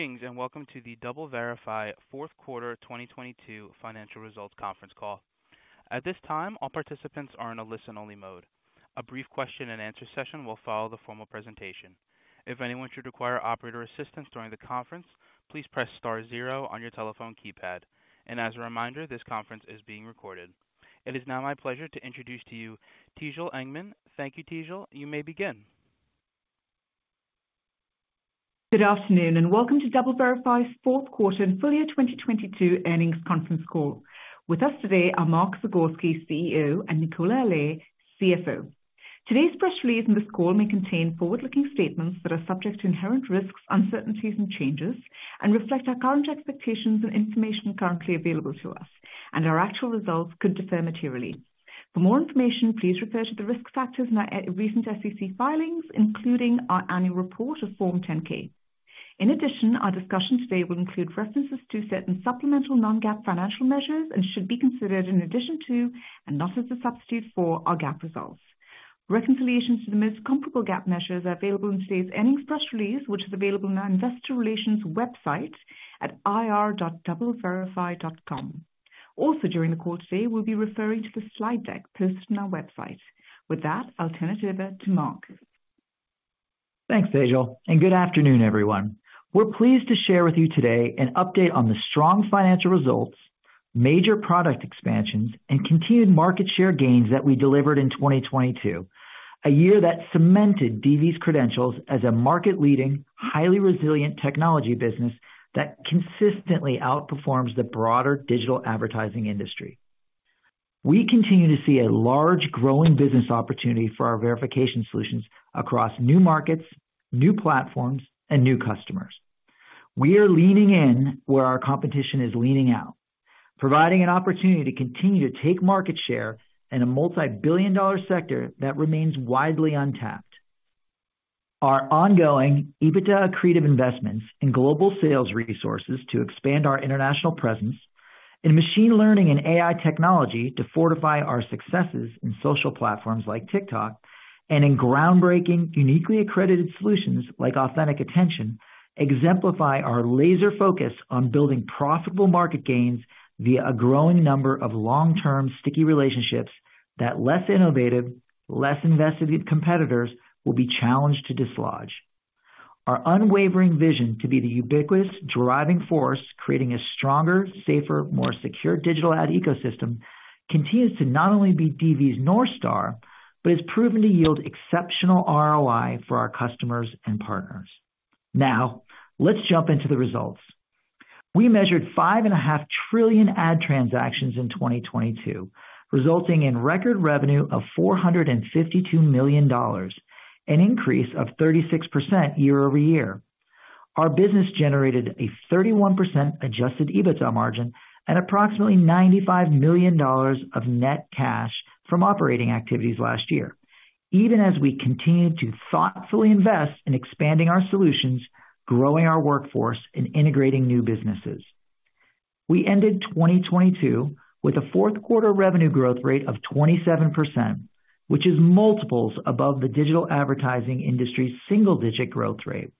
Greetings, welcome to the DoubleVerify Fourth Quarter 2022 Financial Results Conference Call. At this time, all participants are in a listen-only mode. A brief question-and-answer session will follow the formal presentation. If anyone should require operator assistance during the conference, please press star zero on your telephone keypad. As a reminder, this conference is being recorded. It is now my pleasure to introduce to you Tejal Engman. Thank you, Tejal. You may begin. Good afternoon, welcome to DoubleVerify's Fourth Quarter And Full Year 2022 Earnings Conference Call. With us today are Mark Zagorski, CEO, and Nicola Allais, CFO. Today's press release and this call may contain forward-looking statements that are subject to inherent risks, uncertainties, and changes, and reflect our current expectations and information currently available to us, and our actual results could differ materially. For more information, please refer to the risk factors in our recent SEC filings, including our annual report of Form 10-K. In addition, our discussion today will include references to certain supplemental non-GAAP financial measures and should be considered in addition to, and not as a substitute for our GAAP results. Reconciliations to the most comparable GAAP measures are available in today's earnings press release, which is available on our investor relations website at ir.doubleverify.com. During the call today, we'll be referring to the slide deck posted on our website. With that, I'll turn it over to Mark. Thanks, Tejal. Good afternoon, everyone. We're pleased to share with you today an update on the strong financial results, major product expansions, and continued market share gains that we delivered in 2022, a year that cemented DV's credentials as a market-leading, highly resilient technology business that consistently outperforms the broader digital advertising industry. We continue to see a large growing business opportunity for our verification solutions across new markets, new platforms, and new customers. We are leaning in where our competition is leaning out, providing an opportunity to continue to take market share in a multi-billion-dollar sector that remains widely untapped. Our ongoing EBITDA creative investments in global sales resources to expand our international presence in machine learning and AI technology to fortify our successes in social platforms like TikTok and in groundbreaking, uniquely accredited solutions like Authentic Attention exemplify our laser focus on building profitable market gains via a growing number of long-term sticky relationships that less innovative, less invested competitors will be challenged to dislodge. Our unwavering vision to be the ubiquitous driving force, creating a stronger, safer, more secure digital ad ecosystem continues to not only be DV's North Star but has proven to yield exceptional ROI for our customers and partners. Let's jump into the results. We measured 5.5 trillion ad transactions in 2022, resulting in record revenue of $452 million, an increase of 36% year-over-year. Our business generated a 31% adjusted EBITDA margin and approximately $95 million of net cash from operating activities last year, even as we continued to thoughtfully invest in expanding our solutions, growing our workforce, and integrating new businesses. We ended 2022 with a fourth quarter revenue growth rate of 27%, which is multiples above the digital advertising industry's single-digit growth rate.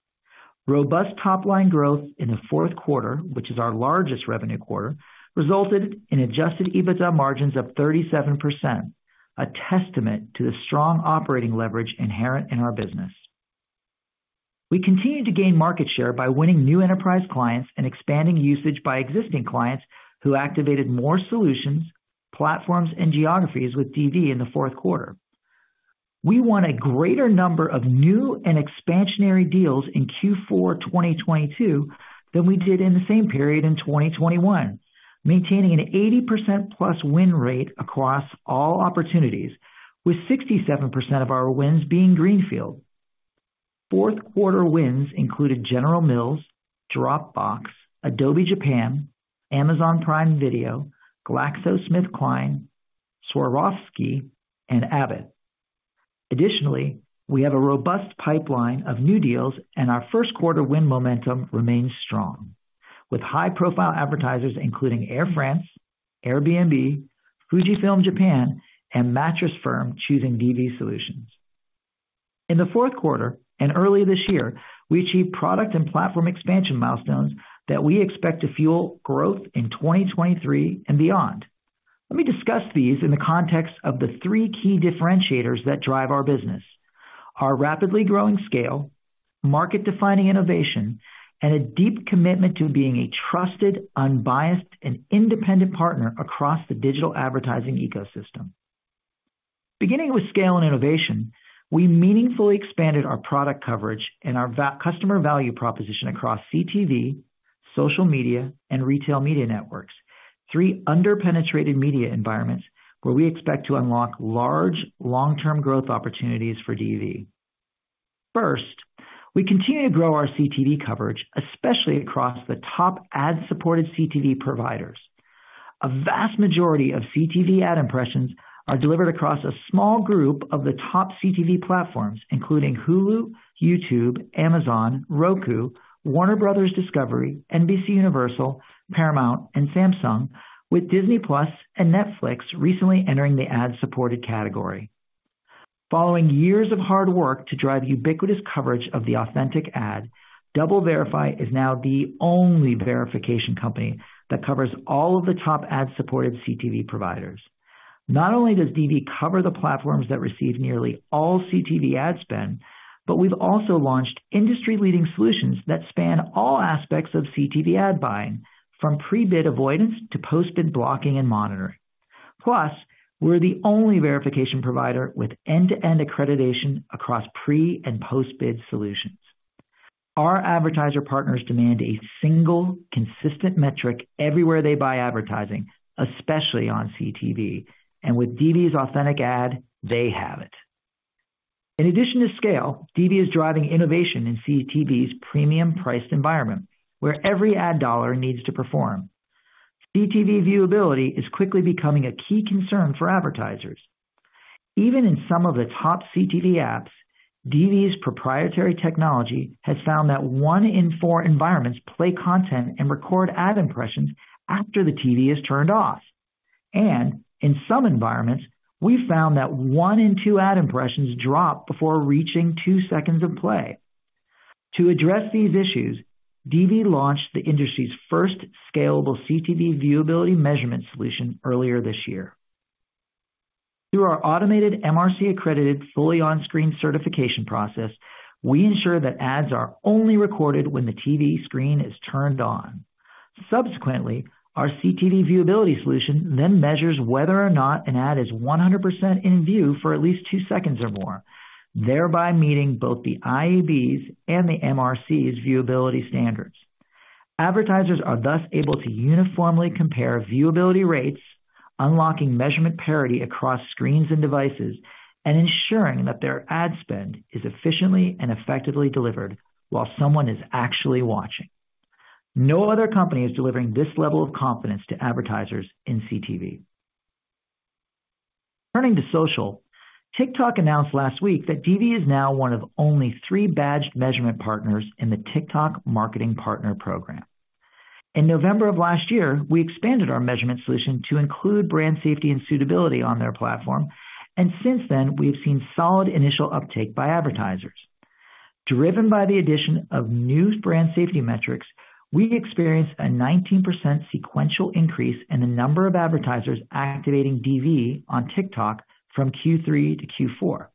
Robust top-line growth in the fourth quarter, which is our largest revenue quarter, resulted in adjusted EBITDA margins of 37%, a testament to the strong operating leverage inherent in our business. We continued to gain market share by winning new enterprise clients and expanding usage by existing clients who activated more solutions, platforms, and geographies with DV in the fourth quarter. We won a greater number of new and expansionary deals in Q4 2022 than we did in the same period in 2021, maintaining an 80%+ win rate across all opportunities with 67% of our wins being greenfield. Fourth quarter wins included General Mills, Dropbox, Adobe Japan, Amazon Prime Video, GlaxoSmithKline, Swarovski, and Abbott. Additionally, we have a robust pipeline of new deals, and our first-quarter win momentum remains strong, with high-profile advertisers, including Air France, Airbnb, Fujifilm Japan, and Mattress Firm choosing DV solutions. In the fourth quarter and early this year, we achieved product and platform expansion milestones that we expect to fuel growth in 2023 and beyond. Let me discuss these in the context of the three key differentiators that drive our business: our rapidly growing scale, market-defining innovation, and a deep commitment to being a trusted, unbiased, and independent partner across the digital advertising ecosystem. Beginning with scale and innovation, we meaningfully expanded our product coverage and our customer value proposition across CTV, social media, and retail media networks, three under-penetrated media environments where we expect to unlock large long-term growth opportunities for DV. First, we continue to grow our CTV coverage, especially across the top ad-supported CTV providers. A vast majority of CTV ad impressions are delivered across a small group of the top CTV platforms, including Hulu, YouTube, Amazon, Roku, Warner Bros. Discovery, NBCUniversal, Paramount, and Samsung, with Disney+ and Netflix recently entering the ad-supported category. Following years of hard work to drive ubiquitous coverage of the Authentic Ad, DoubleVerify is now the only verification company that covers all of the top ad-supported CTV providers. Not only does DV cover the platforms that receive nearly all CTV ad spend, but we've also launched industry-leading solutions that span all aspects of CTV ad buying, from pre-bid avoidance to post-bid blocking and monitoring. We're the only verification provider with end-to-end accreditation across pre- and post-bid solutions. Our advertiser partners demand a single consistent metric everywhere they buy advertising, especially on CTV, and with DV's Authentic Ad, they have it. In addition to scale, DV is driving innovation in CTV's premium-priced environment, where every ad dollar needs to perform. CTV viewability is quickly becoming a key concern for advertisers. Even in some of the top CTV apps, DV's proprietary technology has found that one in four environments play content and record ad impressions after the TV is turned off. In some environments, we found that one in two ad impressions drop before reaching two seconds of play. To address these issues, DV launched the industry's first scalable CTV viewability measurement solution earlier this year. Through our automated MRC-accredited, fully on-screen certification process, we ensure that ads are only recorded when the TV screen is turned on. Subsequently, our CTV viewability solution then measures whether or not an ad is 100% in view for at least two seconds or more, thereby meeting both the IAB's and the MRC's viewability standards. Advertisers are thus able to uniformly compare viewability rates, unlocking measurement parity across screens and devices, and ensuring that their ad spend is efficiently and effectively delivered while someone is actually watching. No other company is delivering this level of confidence to advertisers in CTV. Turning to social, TikTok announced last week that DV is now one of only three badged measurement partners in the TikTok Marketing Partner Program. In November of last year, we expanded our measurement solution to include brand safety and suitability on their platform. Since then, we have seen solid initial uptake by advertisers. Driven by the addition of new brand safety metrics, we experienced a 19% sequential increase in the number of advertisers activating DV on TikTok from Q3 to Q4.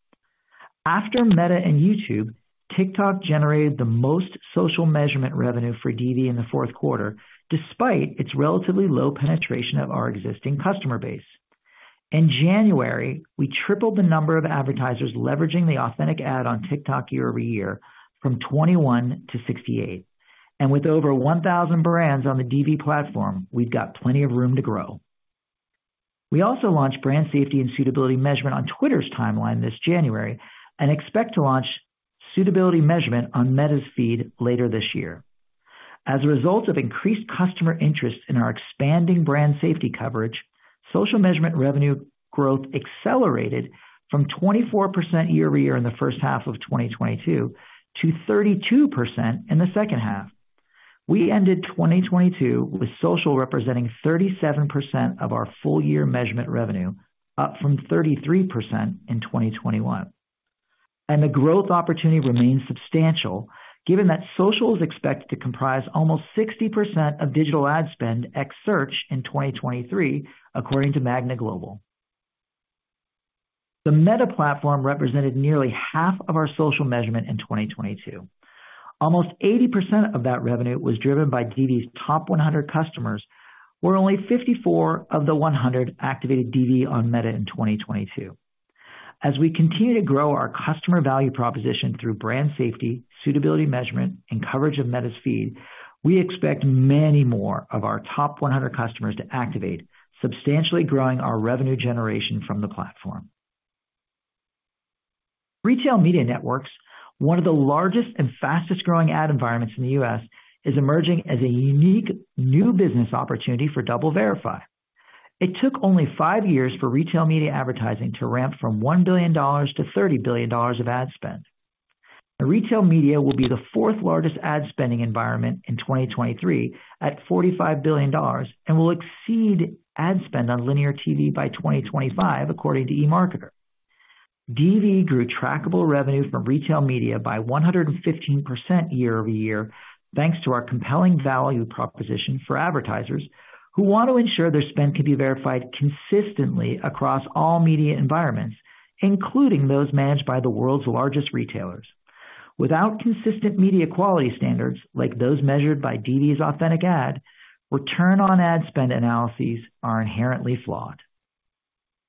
After Meta and YouTube, TikTok generated the most social measurement revenue for DV in the fourth quarter, despite its relatively low penetration of our existing customer base. In January, we tripled the number of advertisers leveraging the Authentic Ad on TikTok year-over-year from 21 to 68. With over 1,000 brands on the DV platform, we've got plenty of room to grow. We also launched brand safety and suitability measurement on Twitter's timeline this January and expect to launch suitability measurement on Meta's Feed later this year. As a result of increased customer interest in our expanding brand safety coverage, social measurement revenue growth accelerated from 24% year-over-year in the first half of 2022 to 32% in the second half. We ended 2022 with social representing 37% of our full-year measurement revenue, up from 33% in 2021. The growth opportunity remains substantial, given that social is expected to comprise almost 60% of digital ad spend X search in 2023, according to MAGNA Global. The Meta platform represented nearly half of our social measurement in 2022. Almost 80% of that revenue was driven by DV's top 100 customers, where only 54 of the 100 activated DV on Meta in 2022. As we continue to grow our customer value proposition through brand safety, suitability measurement, and coverage of Meta's Feed, we expect many more of our top 100 customers to activate, substantially growing our revenue generation from the platform. Retail media networks, one of the largest and fastest-growing ad environments in the U.S., is emerging as a unique new business opportunity for DoubleVerify. It took only five years for retail media advertising to ramp from $1 billion to $30 billion of ad spend. The retail media will be the fourth-largest ad spending environment in 2023 at $45 billion and will exceed ad spend on linear TV by 2025, according to EMARKETER. DV grew trackable revenue from retail media by 115% year-over-year, thanks to our compelling value proposition for advertisers who want to ensure their spend can be verified consistently across all media environments, including those managed by the world's largest retailers. Without consistent media quality standards, like those measured by DV's Authentic Ad, return on ad spend analyses are inherently flawed.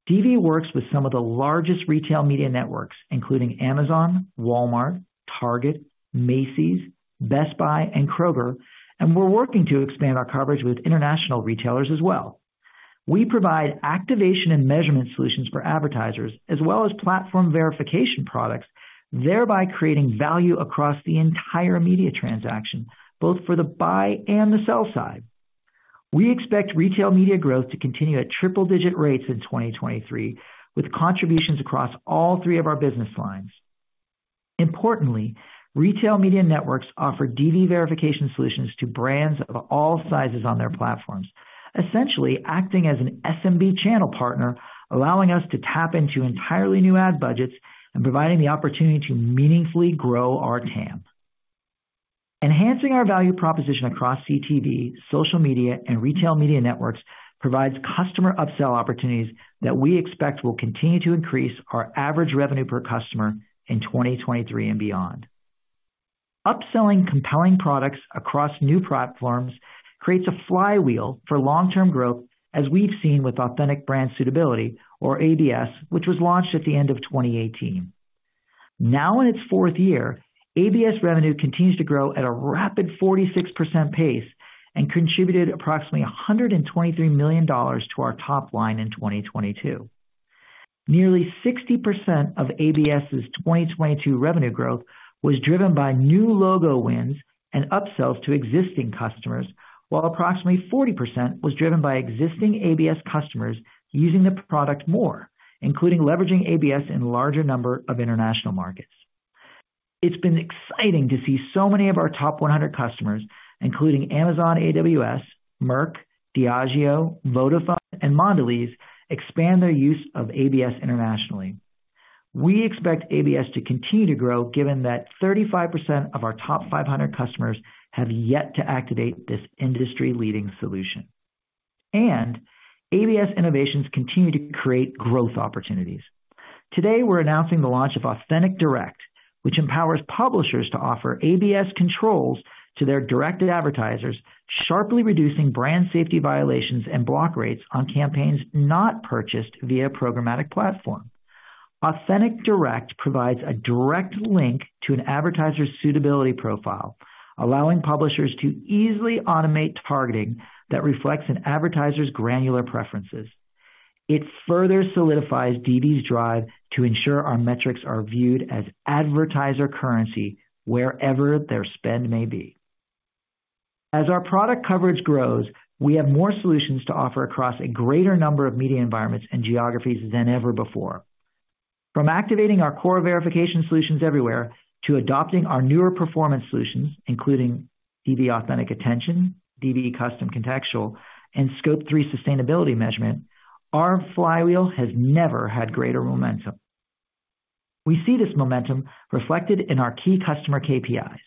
DV works with some of the largest retail media networks, including Amazon, Walmart, Target, Macy's, Best Buy, and Kroger. We're working to expand our coverage with international retailers as well. We provide activation and measurement solutions for advertisers as well as platform verification products, thereby creating value across the entire media transaction, both for the buy and the sell side. We expect retail media growth to continue at triple-digit rates in 2023, with contributions across all three of our business lines. Importantly, retail media networks offer DV verification solutions to brands of all sizes on their platforms, essentially acting as an SMB channel partner, allowing us to tap into entirely new ad budgets and providing the opportunity to meaningfully grow our TAM. Enhancing our value proposition across CTV, social media, and retail media networks provides customer upsell opportunities that we expect will continue to increase our average revenue per customer in 2023 and beyond. Upselling compelling products across new platforms creates a flywheel for long-term growth, as we've seen with Authentic Brand Suitability or ABS, which was launched at the end of 2018. Now in its fourth year, ABS revenue continues to grow at a rapid 46% pace and contributed approximately $123 million to our top line in 2022. Nearly 60% of ABS's 2022 revenue growth was driven by new logo wins and upsells to existing customers, while approximately 40% was driven by existing ABS customers using the product more, including leveraging ABS in larger number of international markets. It's been exciting to see so many of our top 100 customers, including Amazon AWS, Merck, Diageo, Vodafone, and Mondelēz expand their use of ABS internationally. We expect ABS to continue to grow, given that 35% of our top 500 customers have yet to activate this industry-leading solution. ABS innovations continue to create growth opportunities. Today, we're announcing the launch of Authentic Direct, which empowers publishers to offer ABS controls to their directed advertisers, sharply reducing brand safety violations and block rates on campaigns not purchased via programmatic platform. Authentic Direct provides a direct link to an advertiser's suitability profile, allowing publishers to easily automate targeting that reflects an advertiser's granular preferences. It further solidifies DV's drive to ensure our metrics are viewed as advertiser currency wherever their spend may be. As our product coverage grows, we have more solutions to offer across a greater number of media environments and geographies than ever before. From activating our core verification solutions everywhere to adopting our newer performance solutions, including DV Authentic Attention, DV Custom Contextual, and Scope3 sustainability measurement, our flywheel has never had greater momentum. We see this momentum reflected in our key customer KPIs.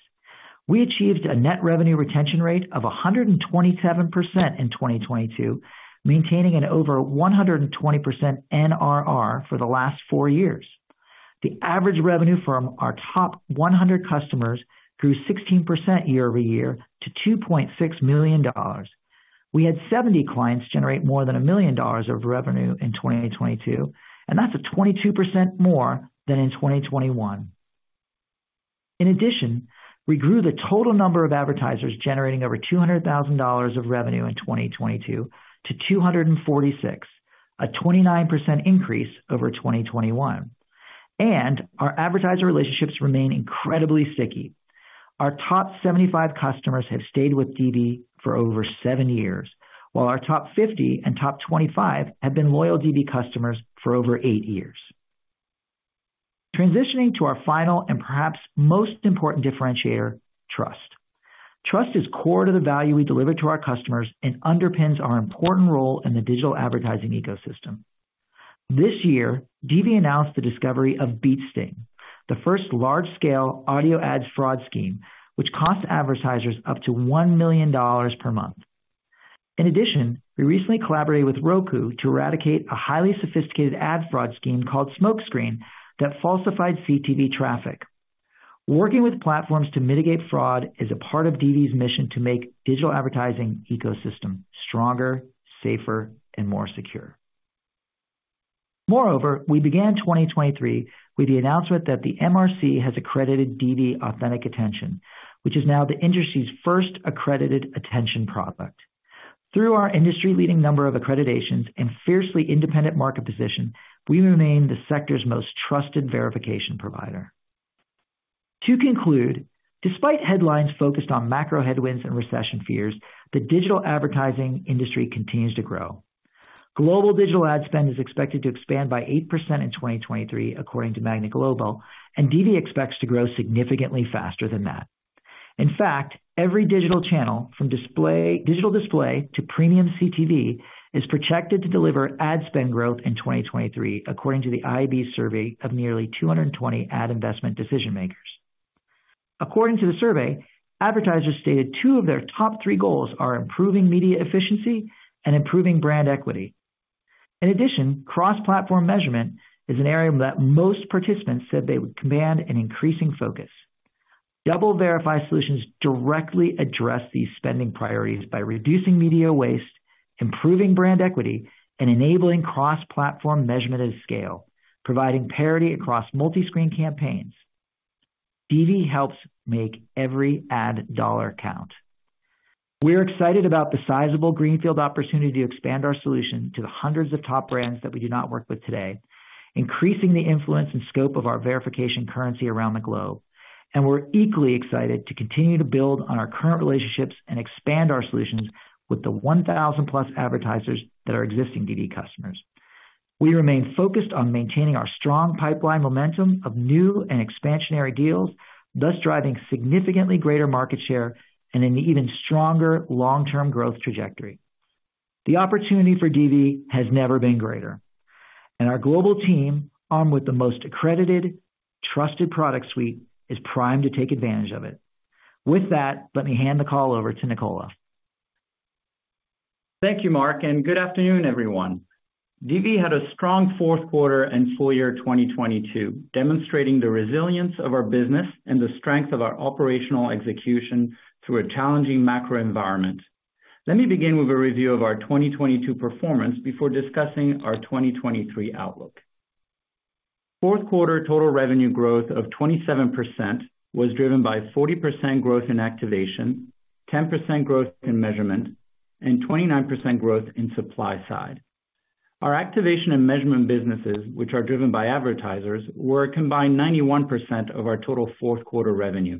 We achieved a net revenue retention rate of 127% in 2022, maintaining an over 120% NRR for the last four years. The average revenue from our top 100 customers grew 16% year-over-year to $2.6 million. We had 70 clients generate more than $1 million of revenue in 2022, that's 22% more than in 2021. In addition, we grew the total number of advertisers generating over $200,000 of revenue in 2022 to 246, a 29% increase over 2021. Our advertiser relationships remain incredibly sticky. Our top 75 customers have stayed with DV for over seven years, while our top 50 and top 25 have been loyal DV customers for over eight years. Transitioning to our final and perhaps most important differentiator, trust. Trust is core to the value we deliver to our customers and underpins our important role in the digital advertising ecosystem. This year, DV announced the discovery of BeatSting, the first large-scale audio ads fraud scheme, which cost advertisers up to $1 million per month. We recently collaborated with Roku to eradicate a highly sophisticated ad fraud scheme called SmokeScreen that falsified CTV traffic. Working with platforms to mitigate fraud is a part of DV's mission to make digital advertising ecosystem stronger, safer, and more secure. We began 2023 with the announcement that the MRC has accredited DV Authentic Attention, which is now the industry's first accredited attention product. Through our industry-leading number of accreditations and fiercely independent market position, we remain the sector's most trusted verification provider. To conclude, despite headlines focused on macro headwinds and recession fears, the digital advertising industry continues to grow. Global digital ad spend is expected to expand by 8% in 2023, according to MAGNA Global, and DV expects to grow significantly faster than that. In fact, every digital channel from digital display to premium CTV is projected to deliver ad spend growth in 2023, according to the IAB survey of nearly 220 ad investment decision-makers. According to the survey, advertisers stated two of their top three goals are improving media efficiency and improving brand equity. In addition, cross-platform measurement is an area that most participants said they would command an increasing focus. DoubleVerify solutions directly address these spending priorities by reducing media waste, improving brand equity, and enabling cross-platform measurement at scale, providing parity across multi-screen campaigns. DV helps make every ad dollar count. We're excited about the sizable greenfield opportunity to expand our solution to the hundreds of top brands that we do not work with today, increasing the influence and scope of our verification currency around the globe. We're equally excited to continue to build on our current relationships and expand our solutions with the 1,000+ advertisers that are existing DV customers. We remain focused on maintaining our strong pipeline momentum of new and expansionary deals, thus driving significantly greater market share and an even stronger long-term growth trajectory. The opportunity for DV has never been greater, and our global team, armed with the most accredited, trusted product suite, is primed to take advantage of it. With that, let me hand the call over to Nicola. Thank you, Mark. Good afternoon, everyone. DV had a strong fourth quarter and full year 2022, demonstrating the resilience of our business and the strength of our operational execution through a challenging macro environment. Let me begin with a review of our 2022 performance before discussing our 2023 outlook. Fourth quarter total revenue growth of 27% was driven by 40% growth in activation, 10% growth in measurement, and 29% growth in supply side. Our activation and measurement businesses, which are driven by advertisers, were a combined 91% of our total fourth quarter revenue.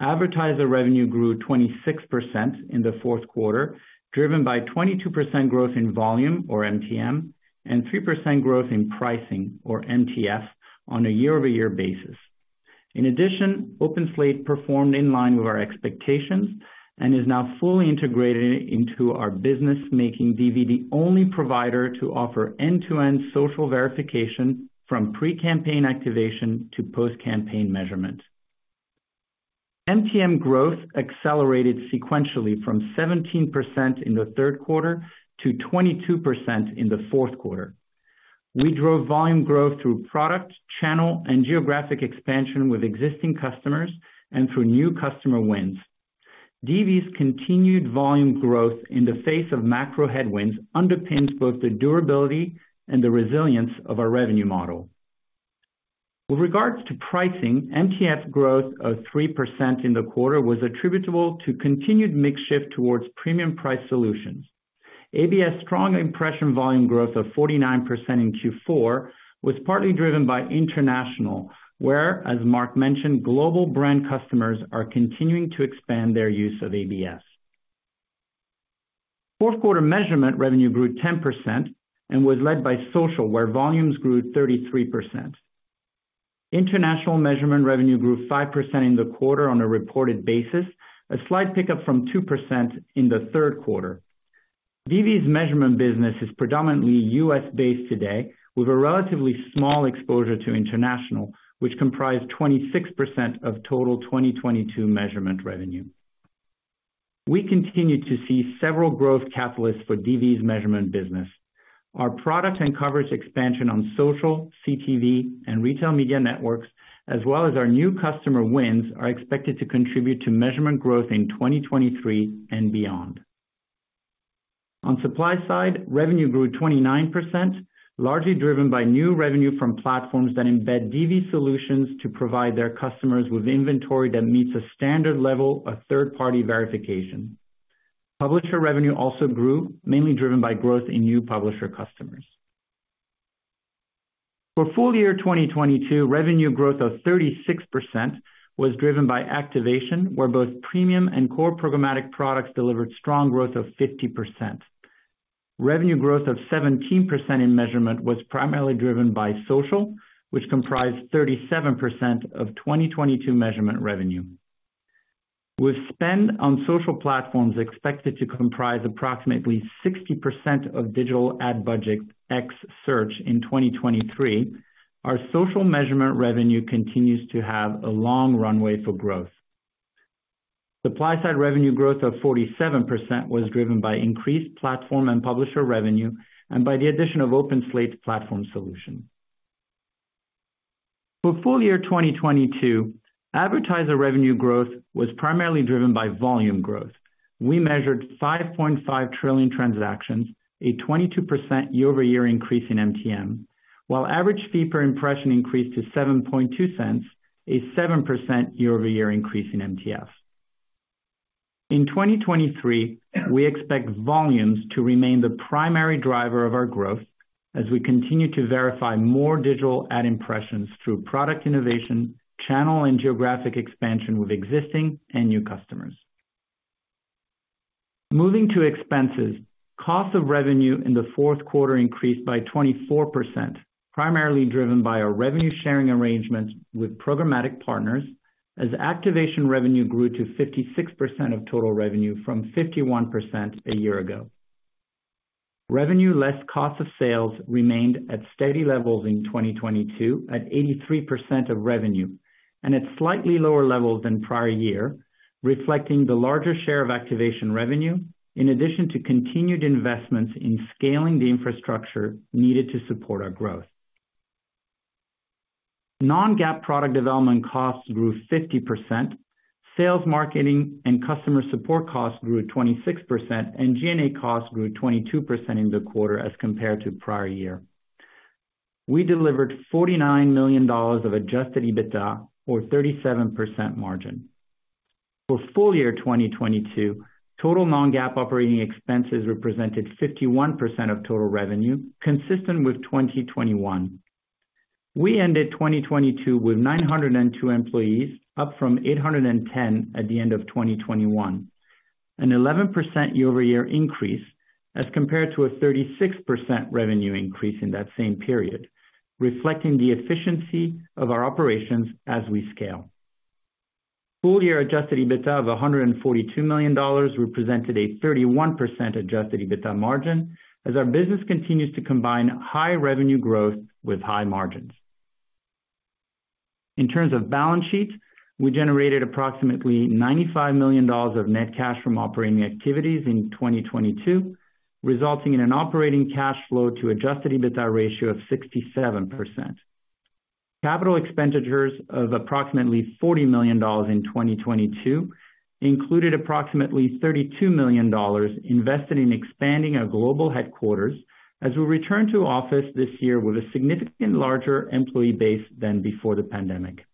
Advertiser revenue grew 26% in the fourth quarter, driven by 22% growth in volume or MTM, and 3% growth in pricing or MTF on a year-over-year basis. OpenSlate performed in line with our expectations and is now fully integrated into our business, making DV the only provider to offer end-to-end social verification from pre-campaign activation to post-campaign measurement. MTM growth accelerated sequentially from 17% in the third quarter to 22% in the fourth quarter. We drove volume growth through product, channel, and geographic expansion with existing customers and through new customer wins. DV's continued volume growth in the face of macro headwinds underpins both the durability and the resilience of our revenue model. With regards to pricing, MTF growth of 3% in the quarter was attributable to continued mix shift towards premium price solutions. ABS strong impression volume growth of 49% in Q4 was partly driven by international, where, as Mark mentioned, global brand customers are continuing to expand their use of ABS. Fourth quarter measurement revenue grew 10% and was led by social, where volumes grew 33%. International measurement revenue grew 5% in the quarter on a reported basis, a slight pickup from 2% in the third quarter. DV's measurement business is predominantly U.S.-based today with a relatively small exposure to international, which comprised 26% of total 2022 measurement revenue. We continue to see several growth catalysts for DV's measurement business. Our product and coverage expansion on social, CTV, and retail media networks, as well as our new customer wins, are expected to contribute to measurement growth in 2023 and beyond. On supply side, revenue grew 29%, largely driven by new revenue from platforms that embed DV solutions to provide their customers with inventory that meets a standard level of third-party verification. Publisher revenue also grew, mainly driven by growth in new publisher customers. For full year 2022, revenue growth of 36% was driven by activation, where both premium and core programmatic products delivered strong growth of 50%. Revenue growth of 17% in measurement was primarily driven by social, which comprised 37% of 2022 measurement revenue. With spend on social platforms expected to comprise approximately 60% of digital ad budget X search in 2023, our social measurement revenue continues to have a long runway for growth. Supply-side revenue growth of 47% was driven by increased platform and publisher revenue and by the addition of OpenSlate's platform solution. For full year 2022, advertiser revenue growth was primarily driven by volume growth. We measured 5.5 trillion transactions, a 22% year-over-year increase in MTM, while average fee per impression increased to $0.072, a 7% year-over-year increase in MTF. In 2023, we expect volumes to remain the primary driver of our growth as we continue to verify more digital ad impressions through product innovation, channel, and geographic expansion with existing and new customers. Moving to expenses, cost of revenue in the fourth quarter increased by 24%, primarily driven by our revenue-sharing arrangements with programmatic partners as activation revenue grew to 56% of total revenue from 51% a year ago. Revenue less cost of sales remained at steady levels in 2022 at 83% of revenue and at slightly lower levels than prior year, reflecting the larger share of activation revenue in addition to continued investments in scaling the infrastructure needed to support our growth. Non-GAAP product development costs grew 50%, sales, marketing, and customer support costs grew 26%, and G&A costs grew 22% in the quarter as compared to prior year. We delivered $49 million of adjusted EBITDA or 37% margin. For full year 2022, total non-GAAP operating expenses represented 51% of total revenue, consistent with 2021. We ended 2022 with 902 employees, up from 810 at the end of 2021. An 11% year-over-year increase as compared to a 36% revenue increase in that same period, reflecting the efficiency of our operations as we scale. Full year adjusted EBITDA of $142 million represented a 31% adjusted EBITDA margin as our business continues to combine high revenue growth with high margins. In terms of balance sheet, we generated approximately $95 million of net cash from operating activities in 2022, resulting in an operating cash flow to adjusted EBITDA ratio of 67%. Capital expenditures of approximately $40 million in 2022 included approximately $32 million invested in expanding our global headquarters as we return to office this year with a significantly larger employee base than before the pandemic.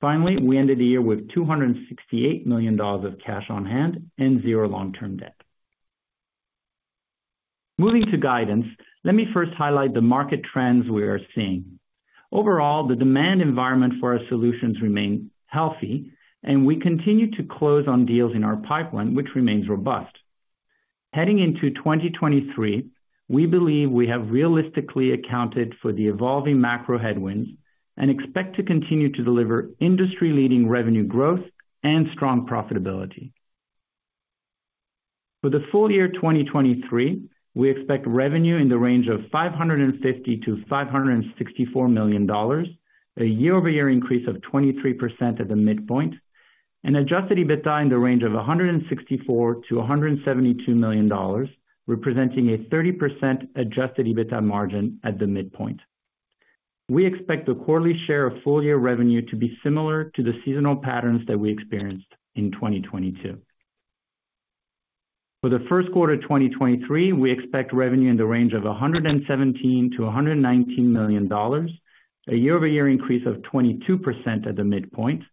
Finally, we ended the year with $268 million of cash on hand and zero long-term debt. Moving to guidance, let me first highlight the market trends we are seeing. Overall, the demand environment for our solutions remain healthy and we continue to close on deals in our pipeline, which remains robust. Heading into 2023, we believe we have realistically accounted for the evolving macro headwinds and expect to continue to deliver industry-leading revenue growth and strong profitability. For the full year 2023, we expect revenue in the range of $550 million-$564 million, a year-over-year increase of 23% at the midpoint. An adjusted EBITDA in the range of $164 million-$172 million, representing a 30% adjusted EBITDA margin at the midpoint. We expect the quarterly share of full-year revenue to be similar to the seasonal patterns that we experienced in 2022. For the first quarter 2023, we expect revenue in the range of $117 million-$119 million, a year-over-year increase of 22% at the midpoint,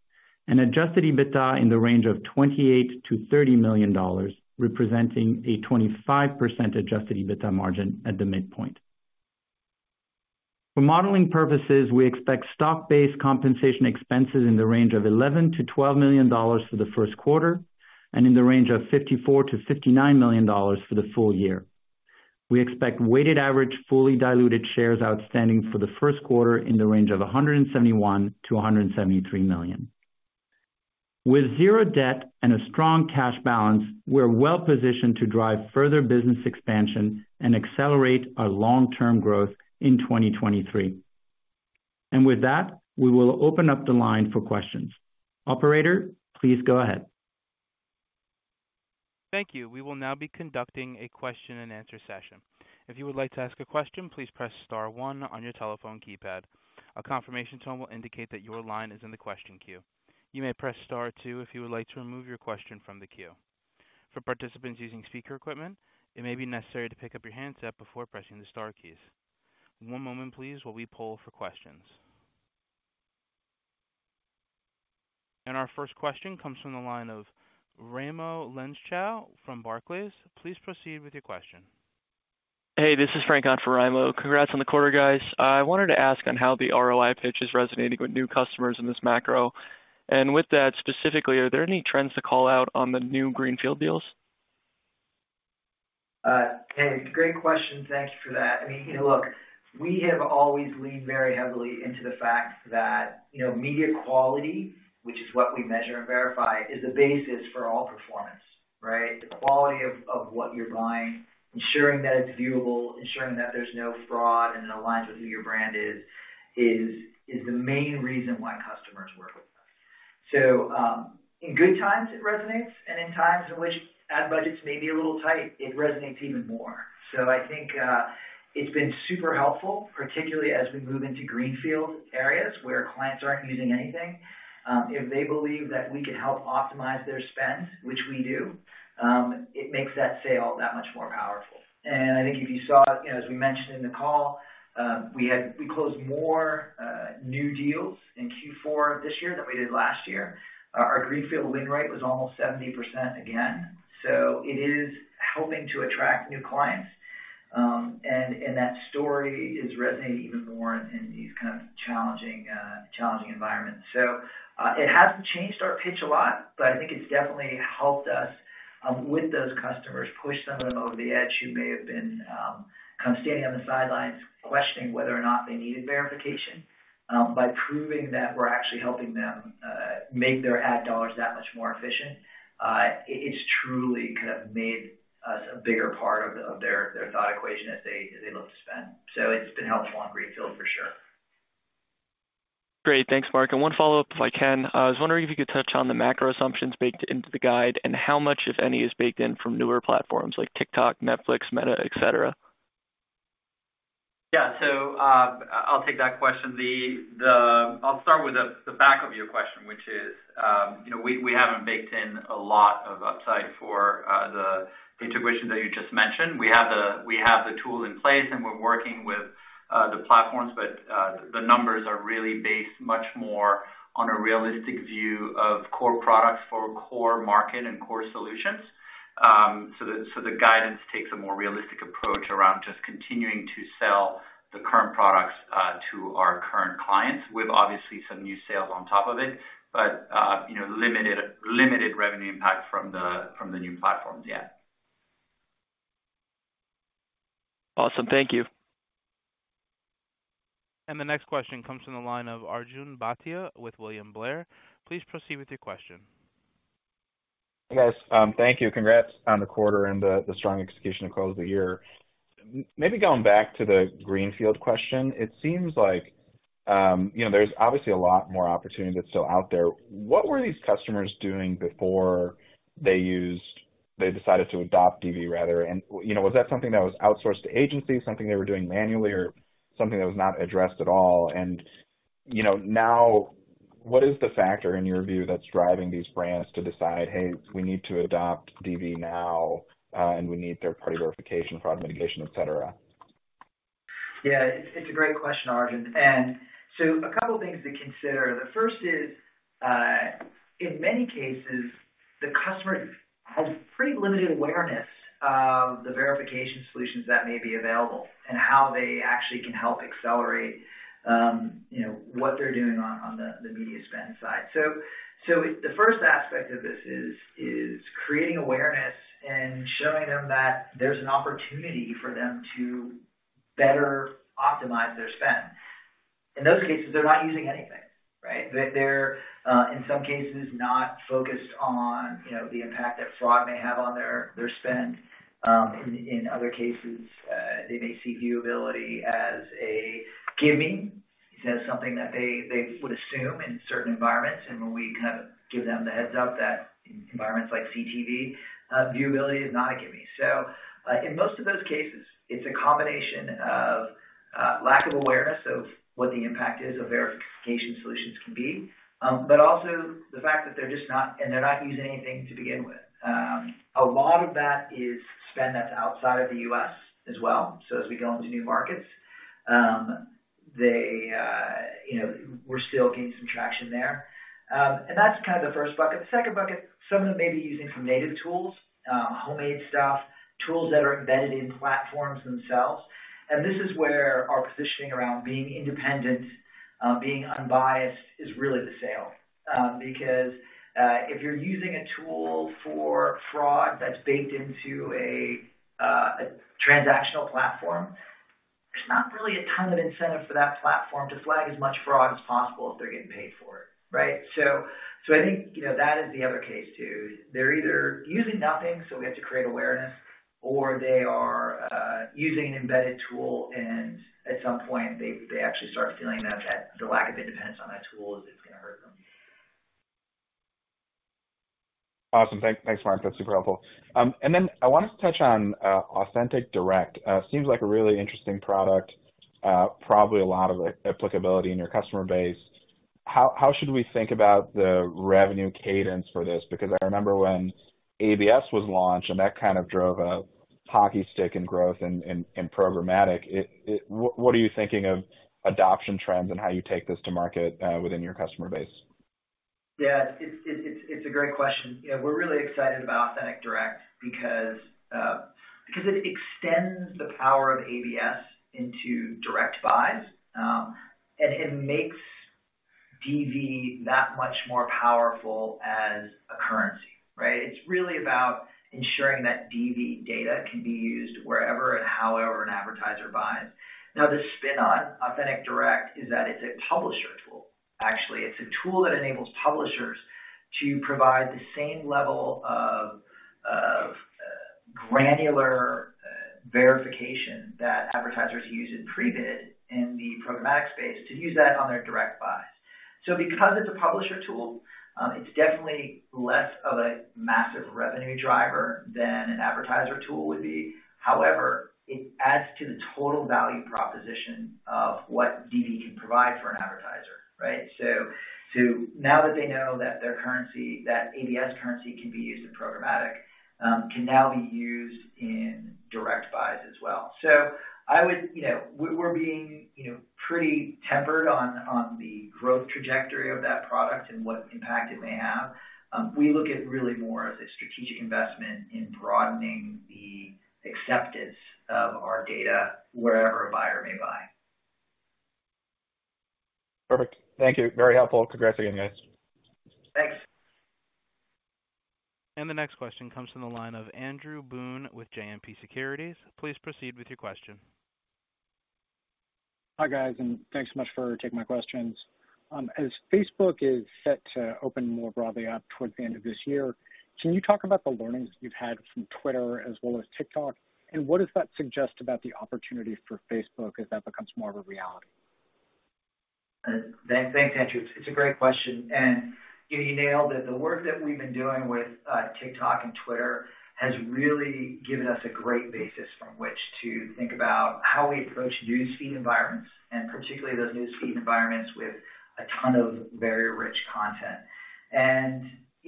and adjusted EBITDA in the range of $28 million-$30 million, representing a 25% adjusted EBITDA margin at the midpoint. For modeling purposes, we expect stock-based compensation expenses in the range of $11 million-$12 million for the first quarter and in the range of $54 million-$59 million for the full year. We expect weighted average fully diluted shares outstanding for the first quarter in the range of 171 million-173 million. With zero debt and a strong cash balance, we're well-positioned to drive further business expansion and accelerate our long-term growth in 2023. With that, we will open up the line for questions. Operator, please go ahead. Thank you. We will now be conducting a question-and-answer session. If you would like to ask a question, please press star one on your telephone keypad. A confirmation tone will indicate that your line is in the question queue. You may press star two if you would like to remove your question from the queue. For participants using speaker equipment, it may be necessary to pick up your handset before pressing the star keys. One moment please while we poll for questions. Our first question comes from the line of Raimo Lenschow from Barclays. Please proceed with your question. Hey, this is Frank on for Raimo. Congrats on the quarter, guys. I wanted to ask on how the ROI pitch is resonating with new customers in this macro. With that, specifically, are there any trends to call out on the new greenfield deals? Hey, great question. Thank you for that. I mean, look, we have always leaned very heavily into the fact that, you know, media quality, which is what we measure and verify, is the basis for all performance, right? The quality of what you're buying, ensuring that it's viewable, ensuring that there's no fraud, and it aligns with who your brand is the main reason why customers work with us. In good times it resonates, and in times in which ad budgets may be a little tight, it resonates even more. I think it's been super helpful, particularly as we move into greenfield areas where clients aren't using anything. If they believe that we can help optimize their spend, which we do, it makes that sale that much more powerful. I think if you saw, you know, as we mentioned in the call, we closed more new deals in Q4 this year than we did last year. Our greenfield win rate was almost 70% again. It is helping to attract new clients. And that story is resonating even more in these kind of challenging environments. It hasn't changed our pitch a lot, but I think it's definitely helped us with those customers, push some of them over the edge who may have been kind of standing on the sidelines questioning whether or not they needed verification. By proving that we're actually helping them make their ad dollars that much more efficient, it's truly kind of made us a bigger part of their thought equation as they look to spend. It's been helpful on greenfield for sure. Great. Thanks, Mark. One follow-up, if I can. I was wondering if you could touch on the macro assumptions baked into the guide and how much, if any, is baked in from newer platforms like TikTok, Netflix, Meta, et cetera? I'll take that question. I'll start with the back of your question, which is, you know, we haven't baked in a lot of upside for the integration that you just mentioned. We have the tools in place and we're working with the platforms, but the number. Really based much more on a realistic view of core products for core market and core solutions. The guidance takes a more realistic approach around just continuing to sell the current products to our current clients with obviously some new sales on top of it. You know, limited revenue impact from the new platforms. Awesome. Thank you. The next question comes from the line of Arjun Bhatia with William Blair. Please proceed with your question. Hey, guys. Thank you. Congrats on the quarter and the strong execution to close the year. Maybe going back to the greenfield question, it seems like, you know, there's obviously a lot more opportunity that's still out there. What were these customers doing before they decided to adopt DV rather? You know, was that something that was outsourced to agencies, something they were doing manually, or something that was not addressed at all? You know, now what is the factor in your view that's driving these brands to decide, "Hey, we need to adopt DV now, and we need third-party verification, fraud mitigation, et cetera? Yeah. It's a great question, Arjun. A couple things to consider. The first is, in many cases, the customer has pretty limited awareness of the verification solutions that may be available and how they actually can help accelerate, you know, what they're doing on the media spend side. The first aspect of this is creating awareness and showing them that there's an opportunity for them to better optimize their spend. In those cases, they're not using anything, right? They're in some cases not focused on, you know, the impact that fraud may have on their spend. In other cases, they may see viewability as a gimme, as something that they would assume in certain environments. When we kind of give them the heads-up that in environments like CTV, viewability is not a gimme. In most of those cases, it's a combination of lack of awareness of what the impact is of verification solutions can be, but also the fact that they're not using anything to begin with. A lot of that is spend that's outside of the U.S. as well. As we go into new markets, they, you know, we're still gaining some traction there. That's kind of the first bucket. The second bucket, some of them may be using some native tools, homemade stuff, tools that are embedded in platforms themselves. This is where our positioning around being independent, being unbiased is really the sale. Because if you're using a tool for fraud that's baked into a transactional platform, there's not really a ton of incentive for that platform to flag as much fraud as possible if they're getting paid for it, right? I think, you know, that is the other case, too. They're either using nothing, so we have to create awareness, or they are using an embedded tool, and at some point they actually start feeling that the lack of independence on that tool is it's gonna hurt them. Awesome. Thanks, Mark. That's super helpful. I wanted to touch on Authentic Direct. Seems like a really interesting product, probably a lot of applicability in your customer base. How should we think about the revenue cadence for this? I remember when ABS was launched and that kind of drove a hockey stick in growth in programmatic. What are you thinking of adoption trends and how you take this to market within your customer base? Yeah. It's a great question. Yeah, we're really excited about Authentic Direct because it extends the power of ABS into direct buys. It makes DV that much more powerful as a currency, right? It's really about ensuring that DV data can be used wherever and however an advertiser buys. Now, the spin on Authentic Direct is that it's a publisher tool. Actually, it's a tool that enables publishers to provide the same level of granular verification that advertisers use in pre-bid in the programmatic space to use that on their direct buys. Because it's a publisher tool, it's definitely less of a massive revenue driver than an advertiser tool would be. However, it adds to the total value proposition of what DV can provide for an advertiser, right? Now that they know that their currency, that ABS currency can be used in programmatic, can now be used in direct buys as well. I would, you know, we're being, you know, pretty tempered on the growth trajectory of that product and what impact it may have. We look at really more as a strategic investment in broadening the acceptance of our data wherever a buyer may buy. Perfect. Thank you. Very helpful. Congrats again, guys. Thanks. The next question comes from the line of Andrew Boone with JMP Securities. Please proceed with your question. Hi, guys, and thanks so much for taking my questions. As Facebook is set to open more broadly up towards the end of this year, can you talk about the learnings you've had from Twitter as well as TikTok, and what does that suggest about the opportunity for Facebook as that becomes more of a reality? Thanks, Andrew. It's a great question, and you nailed it. The work that we've been doing with TikTok and Twitter has really given us a great basis from which to think about how we approach newsfeed environments, and particularly those newsfeed environments with a ton of very rich content.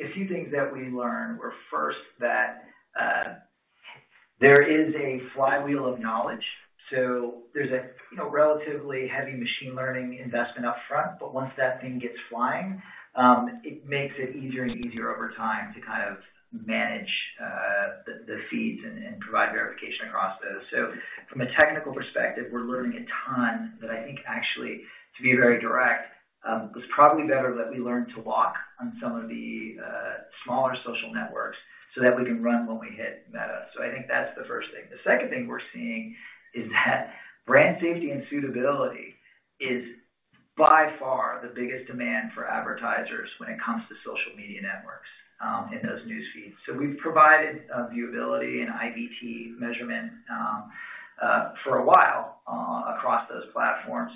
A few things that we learned were, first, that there is a flywheel of knowledge, so there's a, you know, relatively heavy machine learning investment up front, but once that thing gets flying, it makes it easier and easier over time to kind of manage the feeds and provide verification across those. From a technical perspective, we're learning a ton that I think actually, to be very direct, was probably better that we learned to walk on some of the smaller social networks so that we can run when we hit Meta. I think that's the first thing. The second thing we're seeing is that brand safety and suitability is by far the biggest demand for advertisers when it comes to social media networks, in those news feeds. We've provided viewability and IVT measurement for a while across those platforms.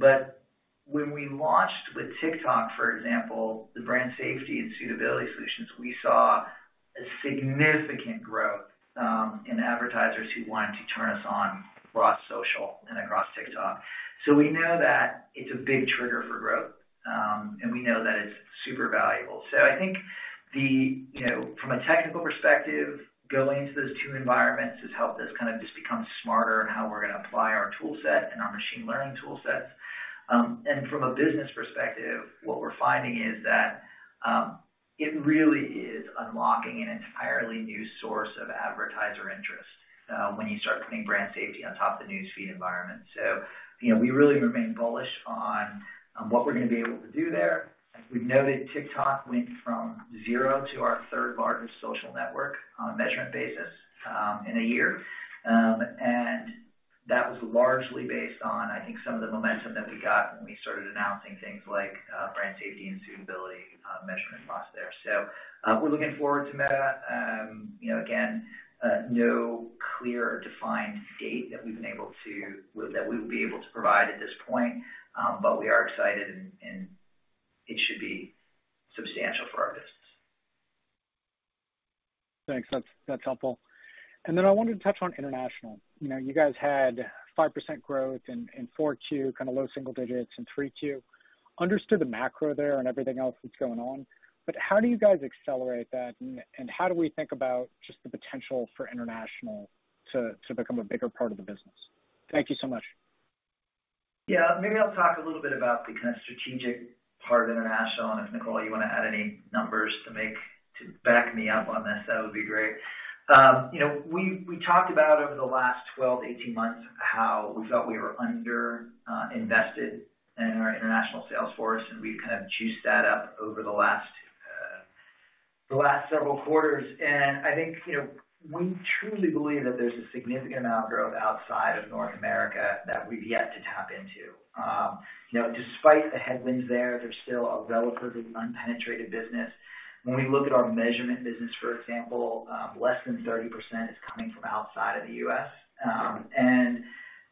When we launched with TikTok, for example, the brand safety and suitability solutions, we saw a significant growth in advertisers who wanted to turn us on across social and across TikTok. We know that it's a big trigger for growth, and we know that it's super valuable. I think, you know, from a technical perspective, going into those two environments has helped us kind of just become smarter in how we're going to apply our tool set and our machine learning tool sets. From a business perspective, what we're finding is that it really is unlocking an entirely new source of advertiser interest when you start putting brand safety on top of the news feed environment. You know, we really remain bullish on what we're going to be able to do there. As we've noted, TikTok went from 0 to our third-largest social network on a measurement basis in a year. That was largely based on, I think, some of the momentum that we got when we started announcing things like brand safety and suitability measurement products there. We're looking forward to Meta. You know, again, no clear or defined date that we would be able to provide at this point. We are excited and it should be substantial for our business. Thanks. That's helpful. I wanted to touch on international. You know, you guys had 5% growth in 4Q, kind of low single digits in 3Q. Understood the macro there and everything else that's going on, how do you guys accelerate that, and how do we think about just the potential for international to become a bigger part of the business? Thank you so much. Yeah. Maybe I'll talk a little bit about the kind of strategic part of international, if Nicole, you wanna add any numbers to back me up on this, that would be great. You know, we talked about over the last 12 to 18 months how we felt we were under invested in our international sales force, and we've kind of juiced that up over the last several quarters. I think, you know, we truly believe that there's a significant amount of growth outside of North America that we've yet to tap into. You know, despite the headwinds there, they're still a relatively unpenetrated business. When we look at our measurement business, for example, less than 30% is coming from outside of the U.S.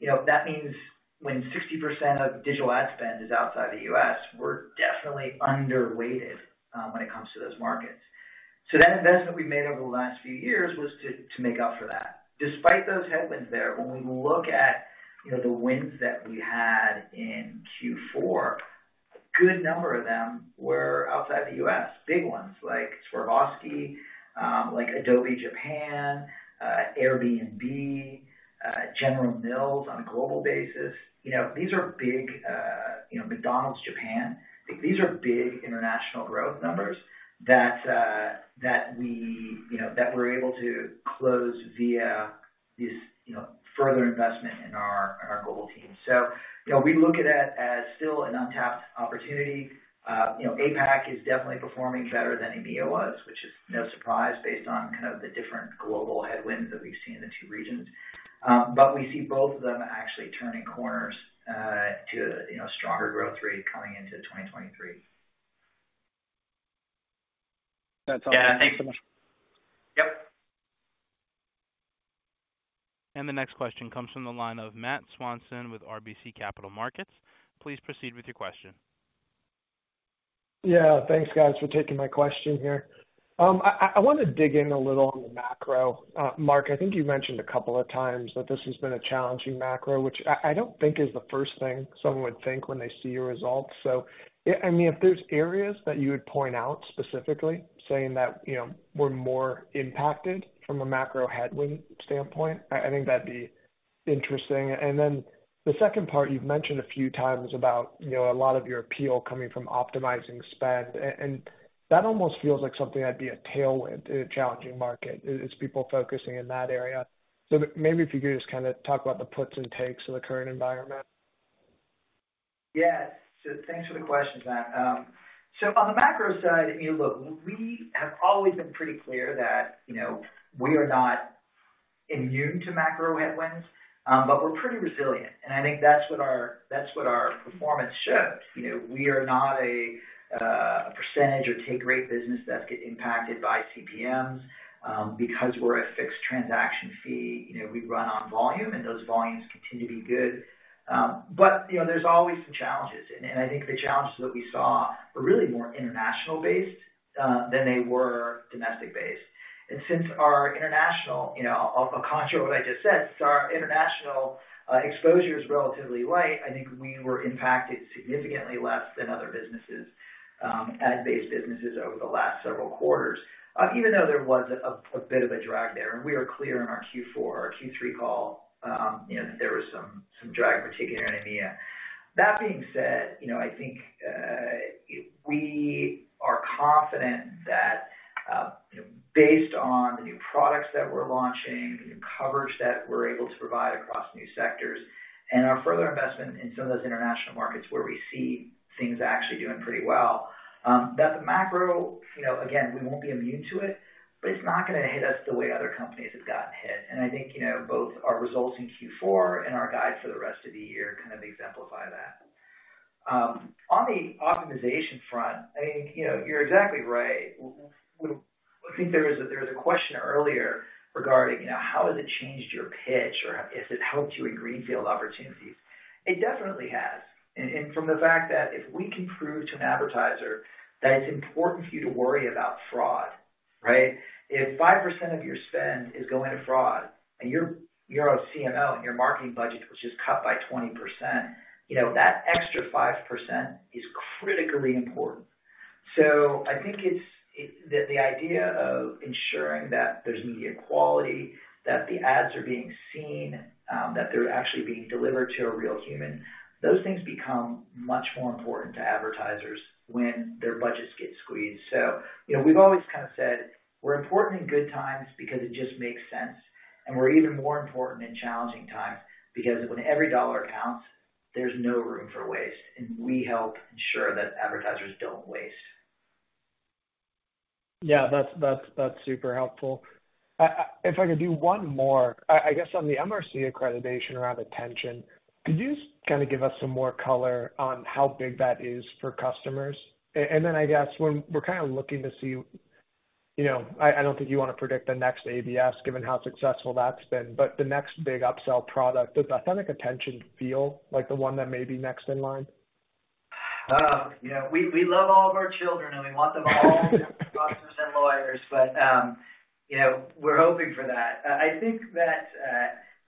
You know, that means when 60% of digital ad spend is outside the U.S., we're definitely underrated when it comes to those markets. That investment we made over the last few years was to make up for that. Despite those headwinds there, when we look at, you know, the wins that we had in Q4, a good number of them were outside the U.S. Big ones like Swarovski, like Adobe Japan, Airbnb, General Mills on a global basis. You know, these are big. You know, McDonald's Japan. These are big international growth numbers that we, you know, that we're able to close via this, you know, further investment in our global team. You know, we look at it as still an untapped opportunity. You know, APAC is definitely performing better than EMEA was, which is no surprise based on kind of the different global headwinds that we've seen in the two regions. We see both of them actually turning corners, to, you know, stronger growth rate coming into 2023. That's all. Thank you so much. Yep. The next question comes from the line of Matt Swanson with RBC Capital Markets. Please proceed with your question. Yeah. Thanks, guys, for taking my question here. I want to dig in a little on the macro. Mark, I think you mentioned a couple of times that this has been a challenging macro, which I don't think is the first thing someone would think when they see your results. Yeah, I mean, if there's areas that you would point out specifically saying that, you know, we're more impacted from a macro headwind standpoint, I think that would be interesting. Then the second part you have mentioned a few times about, you know, a lot of your appeal coming from optimizing spend. And that almost feels like something that would be a tailwind in a challenging market is people focusing in that area. Maybe if you could just kind of talk about the puts and takes of the current environment. Yeah. Thanks for the question, Matt. On the macro side, I mean, look, we have always been pretty clear that, you know, we are not immune to macro headwinds, but we're pretty resilient, and I think that's what our, that's what our performance showed. You know, we are not a percentage or take rate business that's get impacted by CPMs. Because we're a fixed transaction fee, you know, we run on volume, and those volumes continue to be good. But, you know, there's always some challenges. I think the challenges that we saw were really more international-based than they were domestic based. Since our international, you know, contra what I just said, since our international exposure is relatively light, I think we were impacted significantly less than other businesses, ad-based businesses over the last several quarters. Even though there was a bit of a drag there, and we were clear in our Q4 or Q3 call, you know, that there was some drag, particularly in EMEA. That being said, you know, I think we are confident that, you know, based on the new products that we're launching, the new coverage that we're able to provide across new sectors and our further investment in some of those international markets where we see things actually doing pretty well. That the macro, you know, again, we won't be immune to it, but it's not gonna hit us the way other companies have gotten hit. I think, you know, both our results in Q4 and our guide for the rest of the year kind of exemplify that. On the optimization front, I mean, you know, you're exactly right. I think there was a question earlier regarding, you know, how has it changed your pitch or has it helped you in greenfield opportunities? It definitely has. From the fact that if we can prove to an advertiser that it's important for you to worry about fraud, right? If 5% of your spend is going to fraud and you're a CMO and your marketing budget was just cut by 20%, you know, that extra 5% is critically important. I think the idea of ensuring that there's media quality, that the ads are being seen, that they're actually being delivered to a real human, those things become much more important to advertisers when their budgets get squeezed. You know, we've always kind of said we're important in good times because it just makes sense, and we're even more important in challenging times because when every dollar counts, there's no room for waste, and we help ensure that advertisers don't waste. Yeah, that's super helpful. If I could do one more. I guess on the MRC accreditation around Attention, could you kind of give us some more color on how big that is for customers? Then I guess we're kind of looking to see, you know, I don't think you wanna predict the next ABS given how successful that's been, but the next big upsell product. Does Authentic Attention feel like the one that may be next in line? You know, we love all of our children, and we want them all to become doctors and lawyers. You know, we're hoping for that. I think that,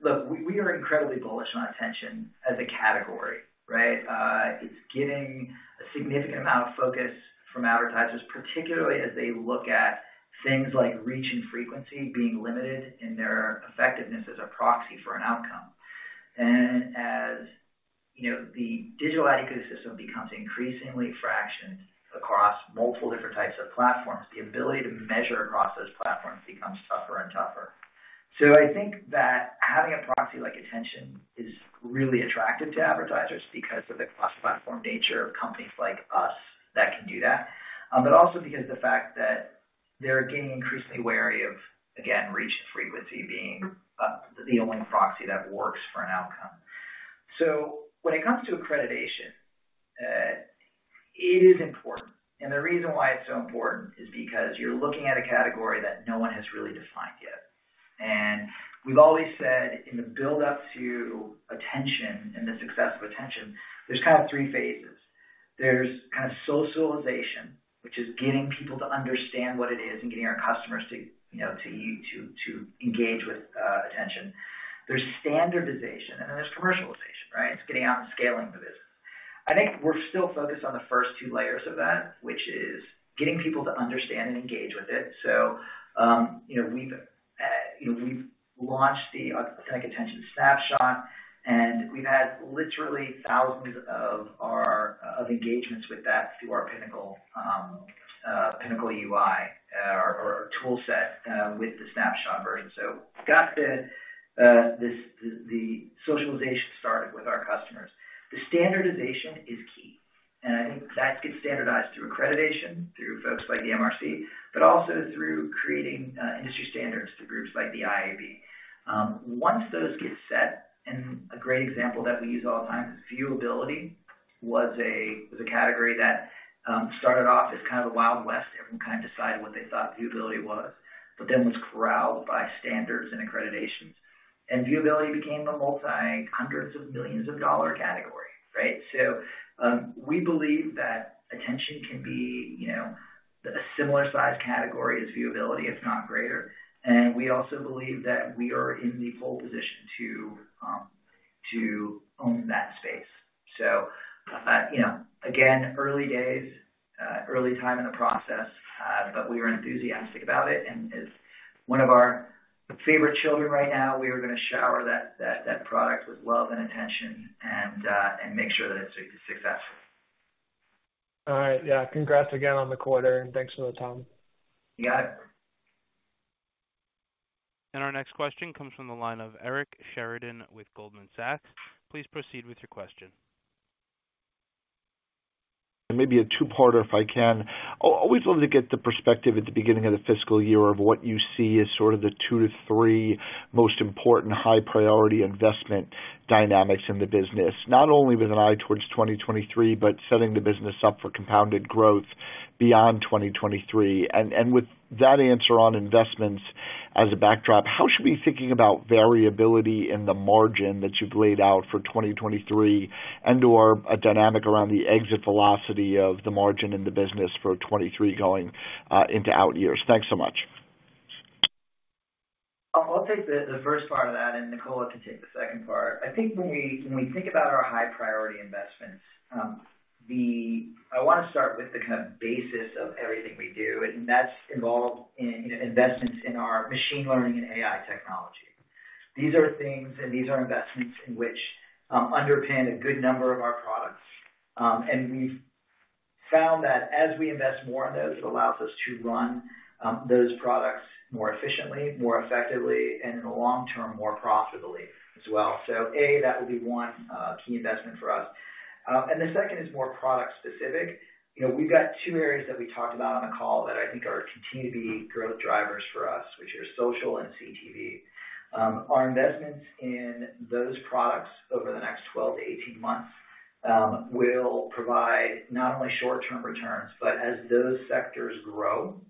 look, we are incredibly bullish on Attention as a category, right? It's getting a significant amount of focus from advertisers, particularly as they look at things like reach and frequency being limited in their effectiveness as a proxy for an outcome. You know, the digital ad ecosystem becomes increasingly fractioned across multiple different types of platforms, the ability to measure across those platforms becomes tougher and tougher. I think that having a proxy like Attention is really attractive to advertisers because of the cross-platform nature of companies like us that can do that. Also because of the fact that they're getting increasingly wary of, again, reach and frequency being the only proxy that works for an outcome. When it comes to accreditation, it is important. The reason why it's so important is because you're looking at a category that no one has really defined yet. We've always said in the build-up to Attention and the success of Attention, there's kind of three phases. There's kind of socialization, which is getting people to understand what it is and getting our customers to, you know, to engage with Attention. There's standardization, and then there's commercialization, right. It's getting out and scaling the business. I think we're still focused on the first two layers of that, which is getting people to understand and engage with it. You know, we've, you know, we've launched the Authentic Attention Snapshot, and we've had literally thousands of engagements with that through our Pinnacle UI, or tool set with the Snapshot version. Got the socialization started with our customers. The standardization is key, and I think that gets standardized through accreditation, through folks like the MRC, but also through creating industry standards through groups like the IAB. Once those get set, a great example that we use all the time is viewability was a category that started off as kind of a Wild West. Everyone kind of decided what they thought viewability was, but then was corralled by standards and accreditations. Viewability became a multi-hundreds of millions of dollar category, right? We believe that Attention can be, you know, a similar size category as viewability, if not greater. We also believe that we are in the pole position to own that space. You know, again, early days, early time in the process, but we are enthusiastic about it. As one of our favorite children right now, we are gonna shower that product with love and attention and make sure that it's a success. All right. Yeah. Congrats again on the quarter, and thanks for the time. You got it. Our next question comes from the line of Eric Sheridan with Goldman Sachs. Please proceed with your question. It may be a two-parter if I can. Always love to get the perspective at the beginning of the fiscal year of what you see as sort of the two to three most important high-priority investment dynamics in the business. Not only with an eye towards 2023, but setting the business up for compounded growth beyond 2023. With that answer on investments as a backdrop, how should we be thinking about variability in the margin that you've laid out for 2023 and/or a dynamic around the exit velocity of the margin in the business for 2023 going into out years? Thanks so much. I'll take the first part of that, and Nicola can take the second part. I think when we think about our high priority investments, I want to start with the kind of basis of everything we do, and that's involved in, you know, investments in our machine learning and AI technology. These are things and these are investments in which underpin a good number of our products. We've found that as we invest more in those, it allows us to run those products more efficiently, more effectively, and in the long term, more profitably as well. A, that would be one key investment for us. The second is more product-specific. You know, we've got two areas that we talked about on the call that I think are continuing to be growth drivers for us, which are social and CTV. Our investments in those products over the next 12 to 18 months will provide not only short-term returns, but as those sectors grow,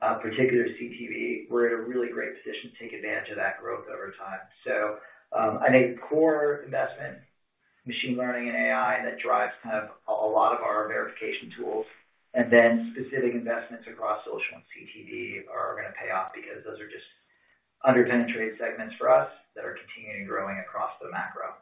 particularly CTV, we're in a really great position to take advantage of that growth over time. I think core investment, machine learning and AI, that drives kind of a lot of our verification tools and then specific investments across social and CTV are gonna pay off because those are just under-penetrated segments for us that are continuing growing across the macro.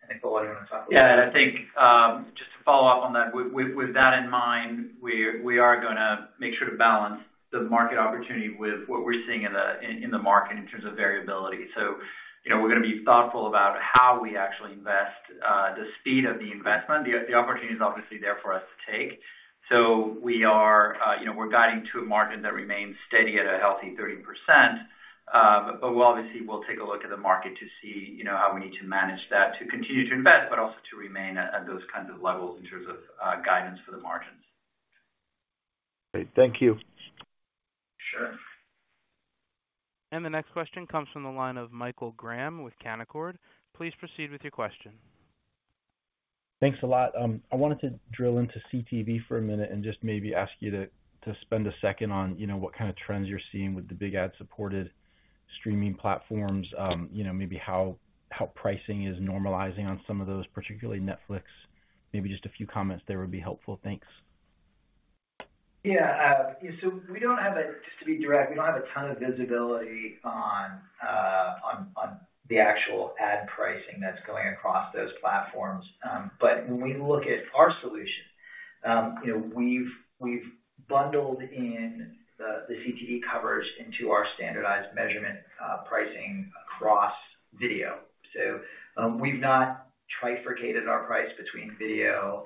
I think, Nicola, why don't you wanna talk a little bit. Yeah, I think, just to follow up on that, with that in mind, we are gonna make sure to balance the market opportunity with what we're seeing in the market in terms of variability. You know, we're gonna be thoughtful about how we actually invest, the speed of the investment. The opportunity is obviously there for us to take. We are, you know, we're guiding to a margin that remains steady at a healthy 30%. We'll obviously take a look at the market to see, you know, how we need to manage that to continue to invest, but also to remain at those kinds of levels in terms of guidance for the margins. Great. Thank you. Sure. The next question comes from the line of Michael Graham with Canaccord. Please proceed with your question. Thanks a lot. I wanted to drill into CTV for a minute and just maybe ask you to spend a second on, you know, what kind of trends you're seeing with the big ad-supported streaming platforms. You know, maybe how pricing is normalizing on some of those, particularly Netflix. Maybe just a few comments there would be helpful. Thanks. Yeah. Just to be direct, we don't have a ton of visibility on the actual ad pricing that's going across those platforms. When we look at our solution, you know, we've bundled in the CTV coverage into our standardized measurement pricing across video. We've not trifurcated our price between video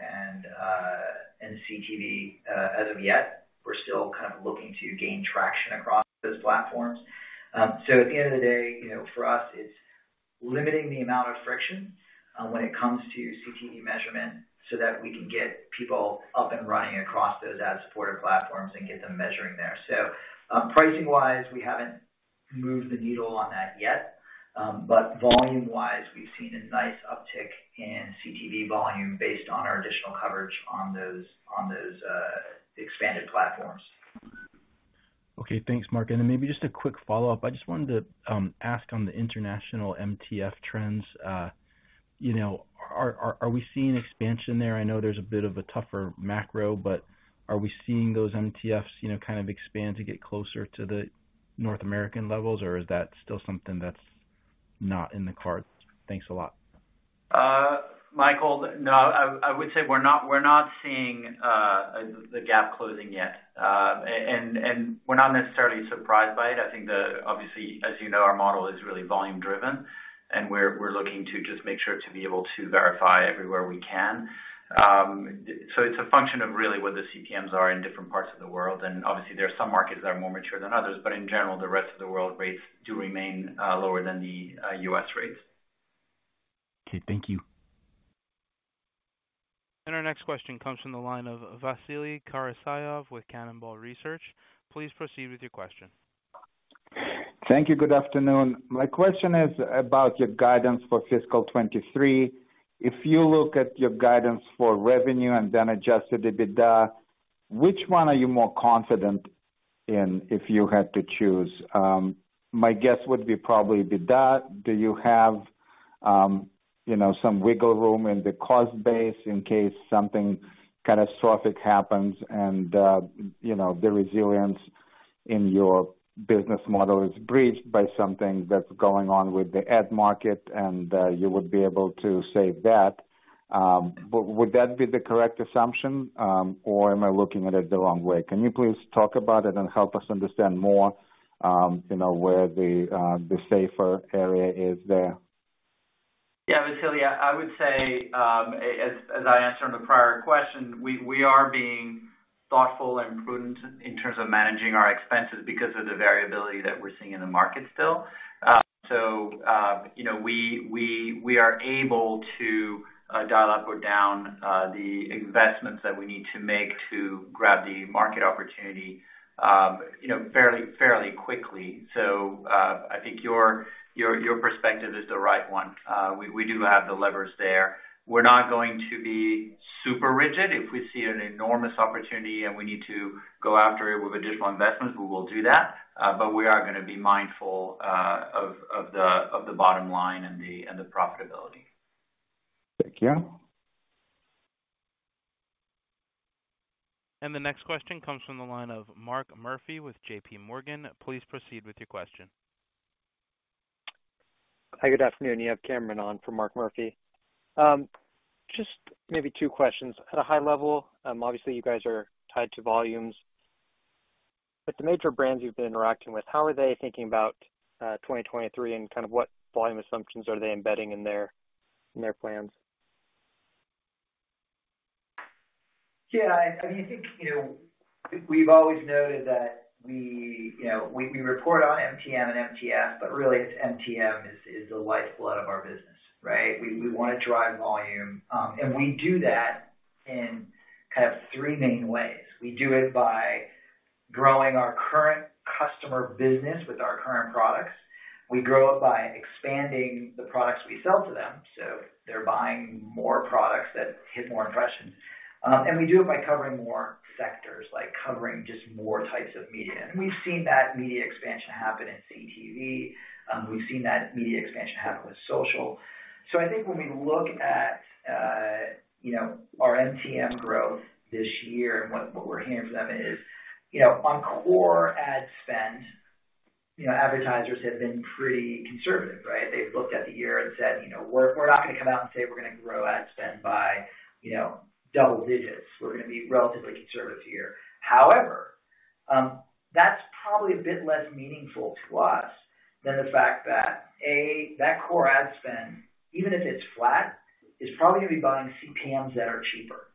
and CTV as of yet. We're still kind of looking to gain traction across those platforms. At the end of the day, you know, for us, it's limiting the amount of friction when it comes to CTV measurement so that we can get people up and running across those ad-supported platforms and get them measuring there. Pricing-wise, we haven't moved the needle on that yet. Volume-wise, we've seen a nice uptick in CTV volume based on our additional coverage on those expanded platforms. Okay. Thanks, Mark. Then maybe just a quick follow-up. I just wanted to ask on the international MTF trends. You know, are we seeing expansion there? I know there's a bit of a tougher macro, but are we seeing those MTFs, you know, kind of expand to get closer to the North American levels, or is that still something that's not in the cards? Thanks a lot. Michael, no, I would say we're not, we're not seeing the gap closing yet. We're not necessarily surprised by it. I think obviously, as you know, our model is really volume driven, and we're looking to just make sure to be able to verify everywhere we can. It's a function of really what the CPMs are in different parts of the world. Obviously there are some markets that are more mature than others, but in general, the rest of the world rates do remain lower than the U.S. rates. Okay. Thank you. Our next question comes from the line of Vasily Karasyov with Cannonball Research. Please proceed with your question. Thank you. Good afternoon. My question is about your guidance for fiscal 2023. If you look at your guidance for revenue and then adjusted EBITDA, which one are you more confident in if you had to choose? My guess would be probably EBITDA. Do you have, you know, some wiggle room in the cost base in case something catastrophic happens and, you know, the resilience in your business model is breached by something that's going on with the ad market, and you would be able to save that? Would that be the correct assumption, or am I looking at it the wrong way? Can you please talk about it and help us understand more, you know, where the safer area is there? Yeah, Vasily, I would say, as I answered on the prior question, we are being thoughtful and prudent in terms of managing our expenses because of the variability that we're seeing in the market still. You know, we are able to dial up or down the investments that we need to make to grab the market opportunity, you know, fairly quickly. I think your perspective is the right one. We do have the levers there. We're not going to be super rigid. If we see an enormous opportunity and we need to go after it with additional investments, we will do that. We are gonna be mindful of the bottom line and the profitability. Thank you. The next question comes from the line of Mark Murphy with JPMorgan. Please proceed with your question. Hi. Good afternoon. You have Cameron on for Mark Murphy. Just maybe two questions. At a high level, obviously you guys are tied to volumes The major brands you've been interacting with, how are they thinking about 2023 and kind of what volume assumptions are they embedding in their plans? Yeah. I mean, I think, you know, we've always noted that we, you know, we report on MTM and MTF, but really it's MTM is the lifeblood of our business, right? We wanna drive volume. We do that in kind of three main ways. We do it by growing our current customer business with our current products. We grow it by expanding the products we sell to them, so they're buying more products that hit more impressions. We do it by covering more sectors, like covering just more types of media. We've seen that media expansion happen in CTV. We've seen that media expansion happen with social. I think when we look at, you know, our MTM growth this year and what we're hearing from them is, you know, on core ad spend, you know, advertisers have been pretty conservative, right? They've looked at the year and said, you know, "We're, we're not gonna come out and say we're gonna grow ad spend by, you know, double digits. We're gonna be relatively conservative here." However, that's probably a bit less meaningful to us than the fact that, A, that core ad spend, even if it's flat, is probably gonna be buying CPMs that are cheaper,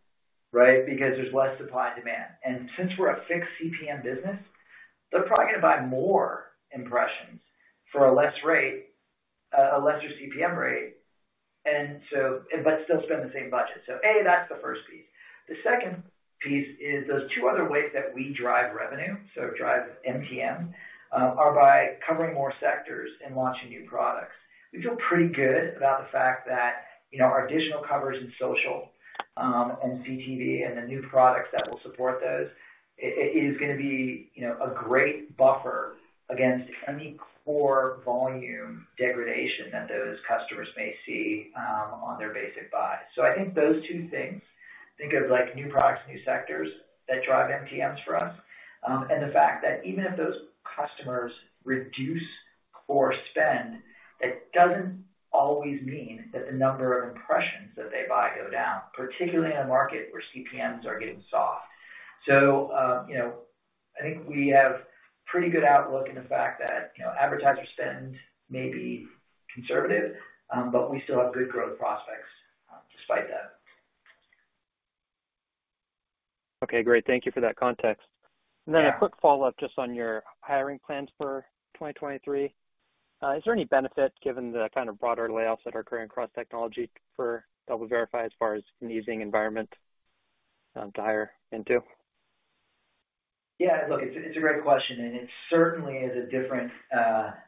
right? Because there's less supply and demand. Since we're a fixed CPM business, they're probably gonna buy more impressions for a less rate, a lesser CPM rate, but still spend the same budget. A, that's the first piece. The second piece is those two other ways that we drive revenue, so drive MTM, are by covering more sectors and launching new products. We feel pretty good about the fact that, you know, our additional coverage in social, and CTV and the new products that will support those is gonna be, you know, a great buffer against any core volume degradation that those customers may see, on their basic buys. I think those two things, think of like new products, new sectors that drive MTMs for us. The fact that even if those customers reduce core spend, it doesn't always mean that the number of impressions that they buy go down, particularly in a market where CPMs are getting soft. You know, I think we have pretty good outlook in the fact that, you know, advertiser spend may be conservative, but we still have good growth prospects despite that. Okay, great. Thank you for that context. Yeah. A quick follow-up just on your hiring plans for 2023. Is there any benefit given the kind of broader layoffs that are occurring across technology for DoubleVerify as far as an easing environment to hire into? Yeah, look, it's a great question. It certainly is a different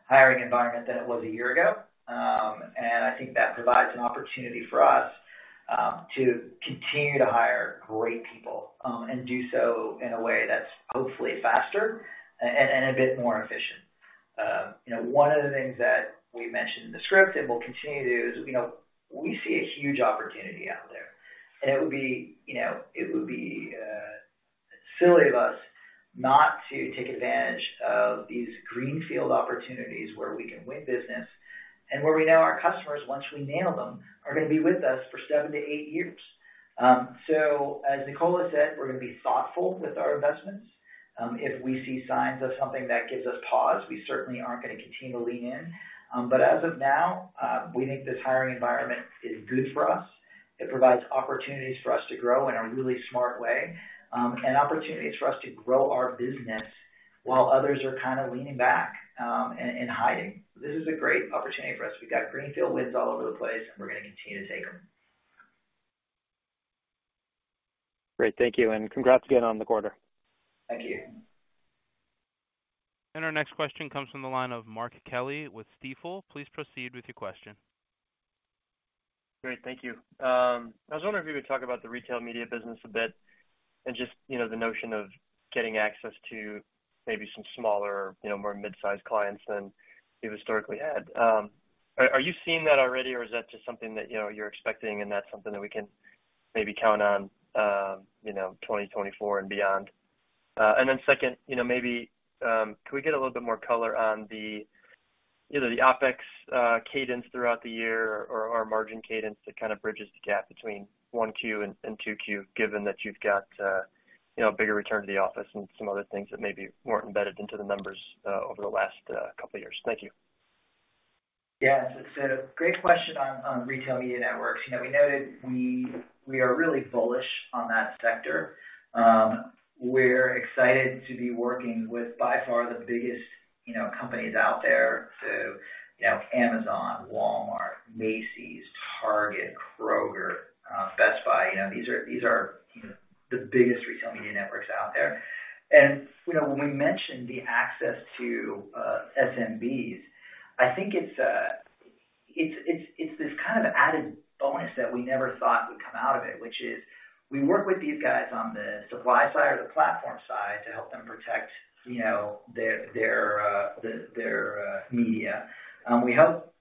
hiring environment than it was a year ago. I think that provides an opportunity for us to continue to hire great people and do so in a way that's hopefully faster and a bit more efficient. You know, one of the things that we mentioned in the script and we'll continue to is, you know, we see a huge opportunity out there. It would be, you know, it would be silly of us not to take advantage of these greenfield opportunities where we can win business and where we know our customers, once we nail them, are gonna be with us for seven to eight years. As Nicola said, we're gonna be thoughtful with our investments. If we see signs of something that gives us pause, we certainly aren't gonna continue to lean in. As of now, we think this hiring environment is good for us. It provides opportunities for us to grow in a really smart way, and opportunities for us to grow our business while others are kind of leaning back, and hiding. This is a great opportunity for us. We've got greenfield wins all over the place, and we're gonna continue to take them. Great. Thank you. Congrats again on the quarter. Thank you. Our next question comes from the line of Mark Kelley with Stifel. Please proceed with your question. Great. Thank you. I was wondering if you could talk about the retail media business a bit and just, you know, the notion of getting access to maybe some smaller, you know, more mid-sized clients than you've historically had. Are, are you seeing that already or is that just something that, you know, you're expecting and that's something that we can maybe count on, you know, 2024 and beyond? Then second, you know, maybe, can we get a little bit more color on the, you know, the OpEx cadence throughout the year or margin cadence that kind of bridges the gap between 1Q and 2Q, given that you've got, you know, bigger return to the office and some other things that may be more embedded into the numbers over the last couple years. Thank you. Great question on retail media networks. You know, we noted we are really bullish on that sector. We're excited to be working with by far the biggest, you know, companies out there. You know, Amazon, Walmart, Macy's, Target, Kroger, Best Buy. You know, these are, you know, the biggest retail media networks out there. You know, when we mentioned the access to SMBs, I think it's this kind of added bonus that we never thought would come out of it, which is we work with these guys on the supply side or the platform side to help them protect, you know, their media. We help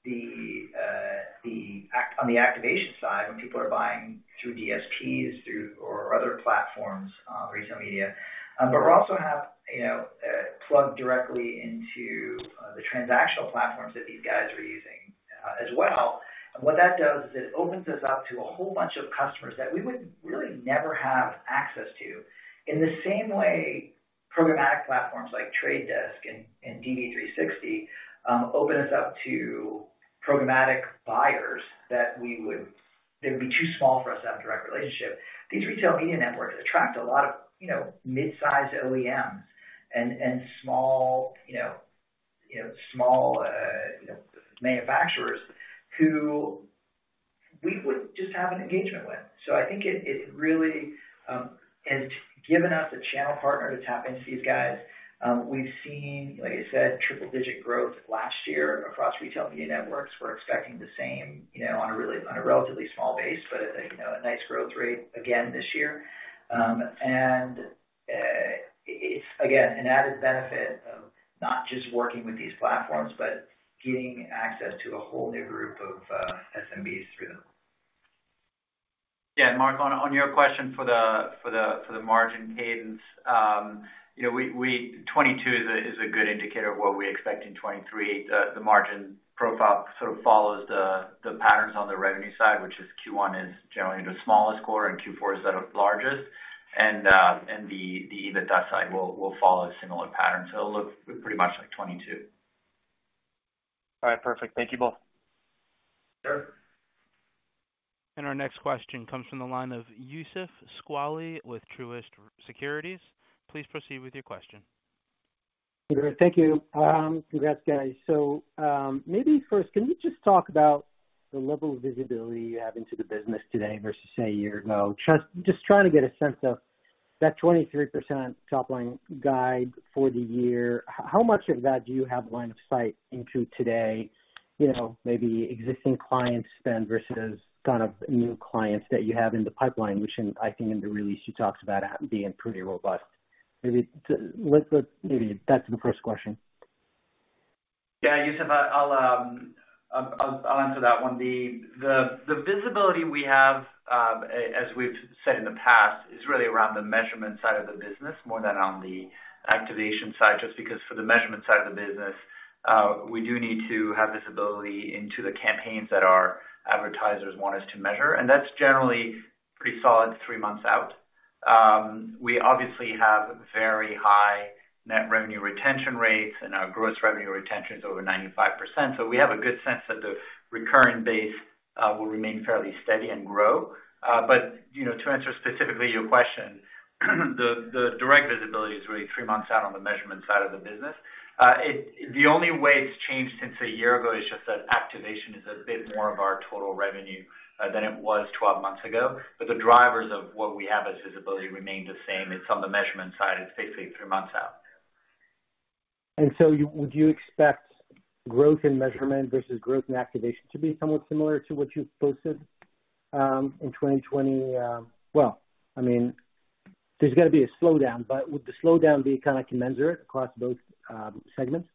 on the activation side when people are buying through DSPs, through or other platforms, retail media. We also have, you know, plug directly into the transactional platforms that these guys are using as well. What that does is it opens us up to a whole bunch of customers that we would really never have access to. In the same way programmatic platforms like The Trade Desk and DV360 open us up to programmatic buyers that they would be too small for us to have a direct relationship. These retail media networks attract a lot of mid-sized OEMs and small manufacturers who we wouldn't just have an engagement with. I think it really has given us a channel partner to tap into these guys. We've seen, like I said, triple-digit growth last year across retail media networks. We're expecting the same, you know, on a relatively small base, but a, you know, a nice growth rate again this year. It's again, an added benefit of not just working with these platforms, but getting access to a whole new group of SMBs through them. Yeah. Mark, on your question for the margin cadence, you know, 2022 is a good indicator of what we expect in 2023. The margin profile sort of follows the patterns on the revenue side, which is Q1 is generally the smallest quarter and Q4 is the largest. The EBITDA side will follow a similar pattern, so it'll look pretty much like 2022. All right. Perfect. Thank you both. Sure. Our next question comes from the line of Youssef Squali with Truist Securities. Please proceed with your question. Great. Thank you. Congrats guys. Maybe first can you just talk about the level of visibility you have into the business today versus, say, a year ago? Just trying to get a sense of that 23% top line guide for the year. How much of that do you have line of sight into today? You know, maybe existing clients spend versus kind of new clients that you have in the pipeline, I think in the release you talked about being pretty robust. Let's put maybe that's the first question. Yeah. Youssef I'll answer that one. The visibility we have, as we've said in the past, is really around the measurement side of the business more than on the activation side, just because for the measurement side of the business, we do need to have visibility into the campaigns that our advertisers want us to measure, and that's generally pretty solid three months out. We obviously have very high net revenue retention rates, and our gross revenue retention is over 95%. We have a good sense that the recurring base will remain fairly steady and grow. You know, to answer specifically your question, the direct visibility is really three months out on the measurement side of the business. The only way it's changed since a year ago is just that activation is a bit more of our total revenue than it was 12 months ago. The drivers of what we have as visibility remain the same. It's on the measurement side. It's basically three months out. Would you expect growth in measurement versus growth in activation to be somewhat similar to what you've posted in 2020. Well, I mean, there's gonna be a slowdown, but would the slowdown be kind of commensurate across both segments?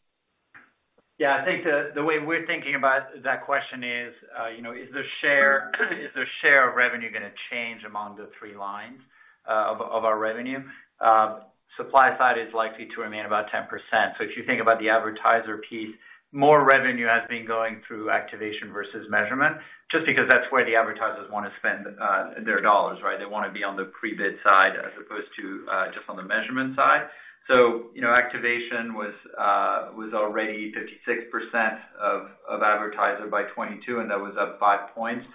Yeah, I think the way we're thinking about that question is, you know, is the share of revenue gonna change among the three lines of our revenue? Supply side is likely to remain about 10%. If you think about the advertiser piece, more revenue has been going through activation versus measurement just because that's where the advertisers wanna spend their dollars, right? They wanna be on the pre-bid side as opposed to just on the measurement side. You know, activation was already 56% of advertiser by 2022, and that was up five points.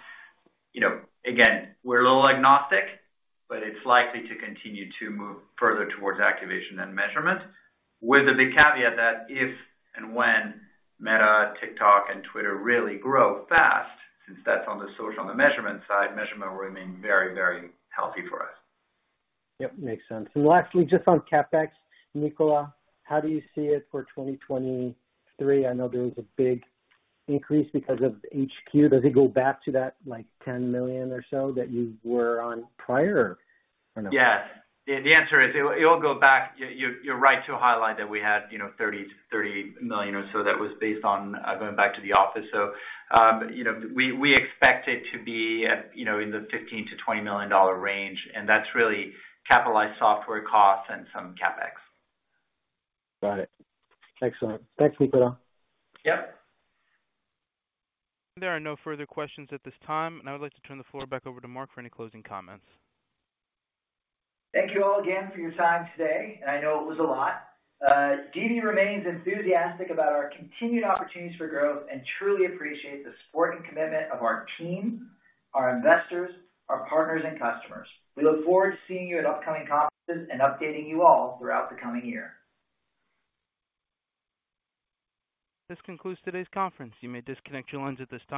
You know, again, we're a little agnostic, but it's likely to continue to move further towards activation and measurement with the big caveat that if and when Meta, TikTok, and Twitter really grow fast, since that's on the measurement side, measurement will remain very, very healthy for us. Yep. Makes sense. Lastly, just on CapEx, Nicola, how do you see it for 2023? I know there was a big increase because of HQ. Does it go back to that, like, $10 million or so that you were on prior? I don't know. Yeah. The answer is it will go back. You're right to highlight that we had, you know, $30 million or so that was based on going back to the office. You know, we expect it to be at, you know, in the $15 million-$20 million range, and that's really capitalized software costs and some CapEx. Got it. Excellent. Thanks, Nicola. Yep. There are no further questions at this time. I would like to turn the floor back over to Mark for any closing comments. Thank you all again for your time today, and I know it was a lot. DV remains enthusiastic about our continued opportunities for growth and truly appreciate the support and commitment of our team, our investors, our partners, and customers. We look forward to seeing you at upcoming conferences and updating you all throughout the coming year. This concludes today's conference. You may disconnect your lines at this time.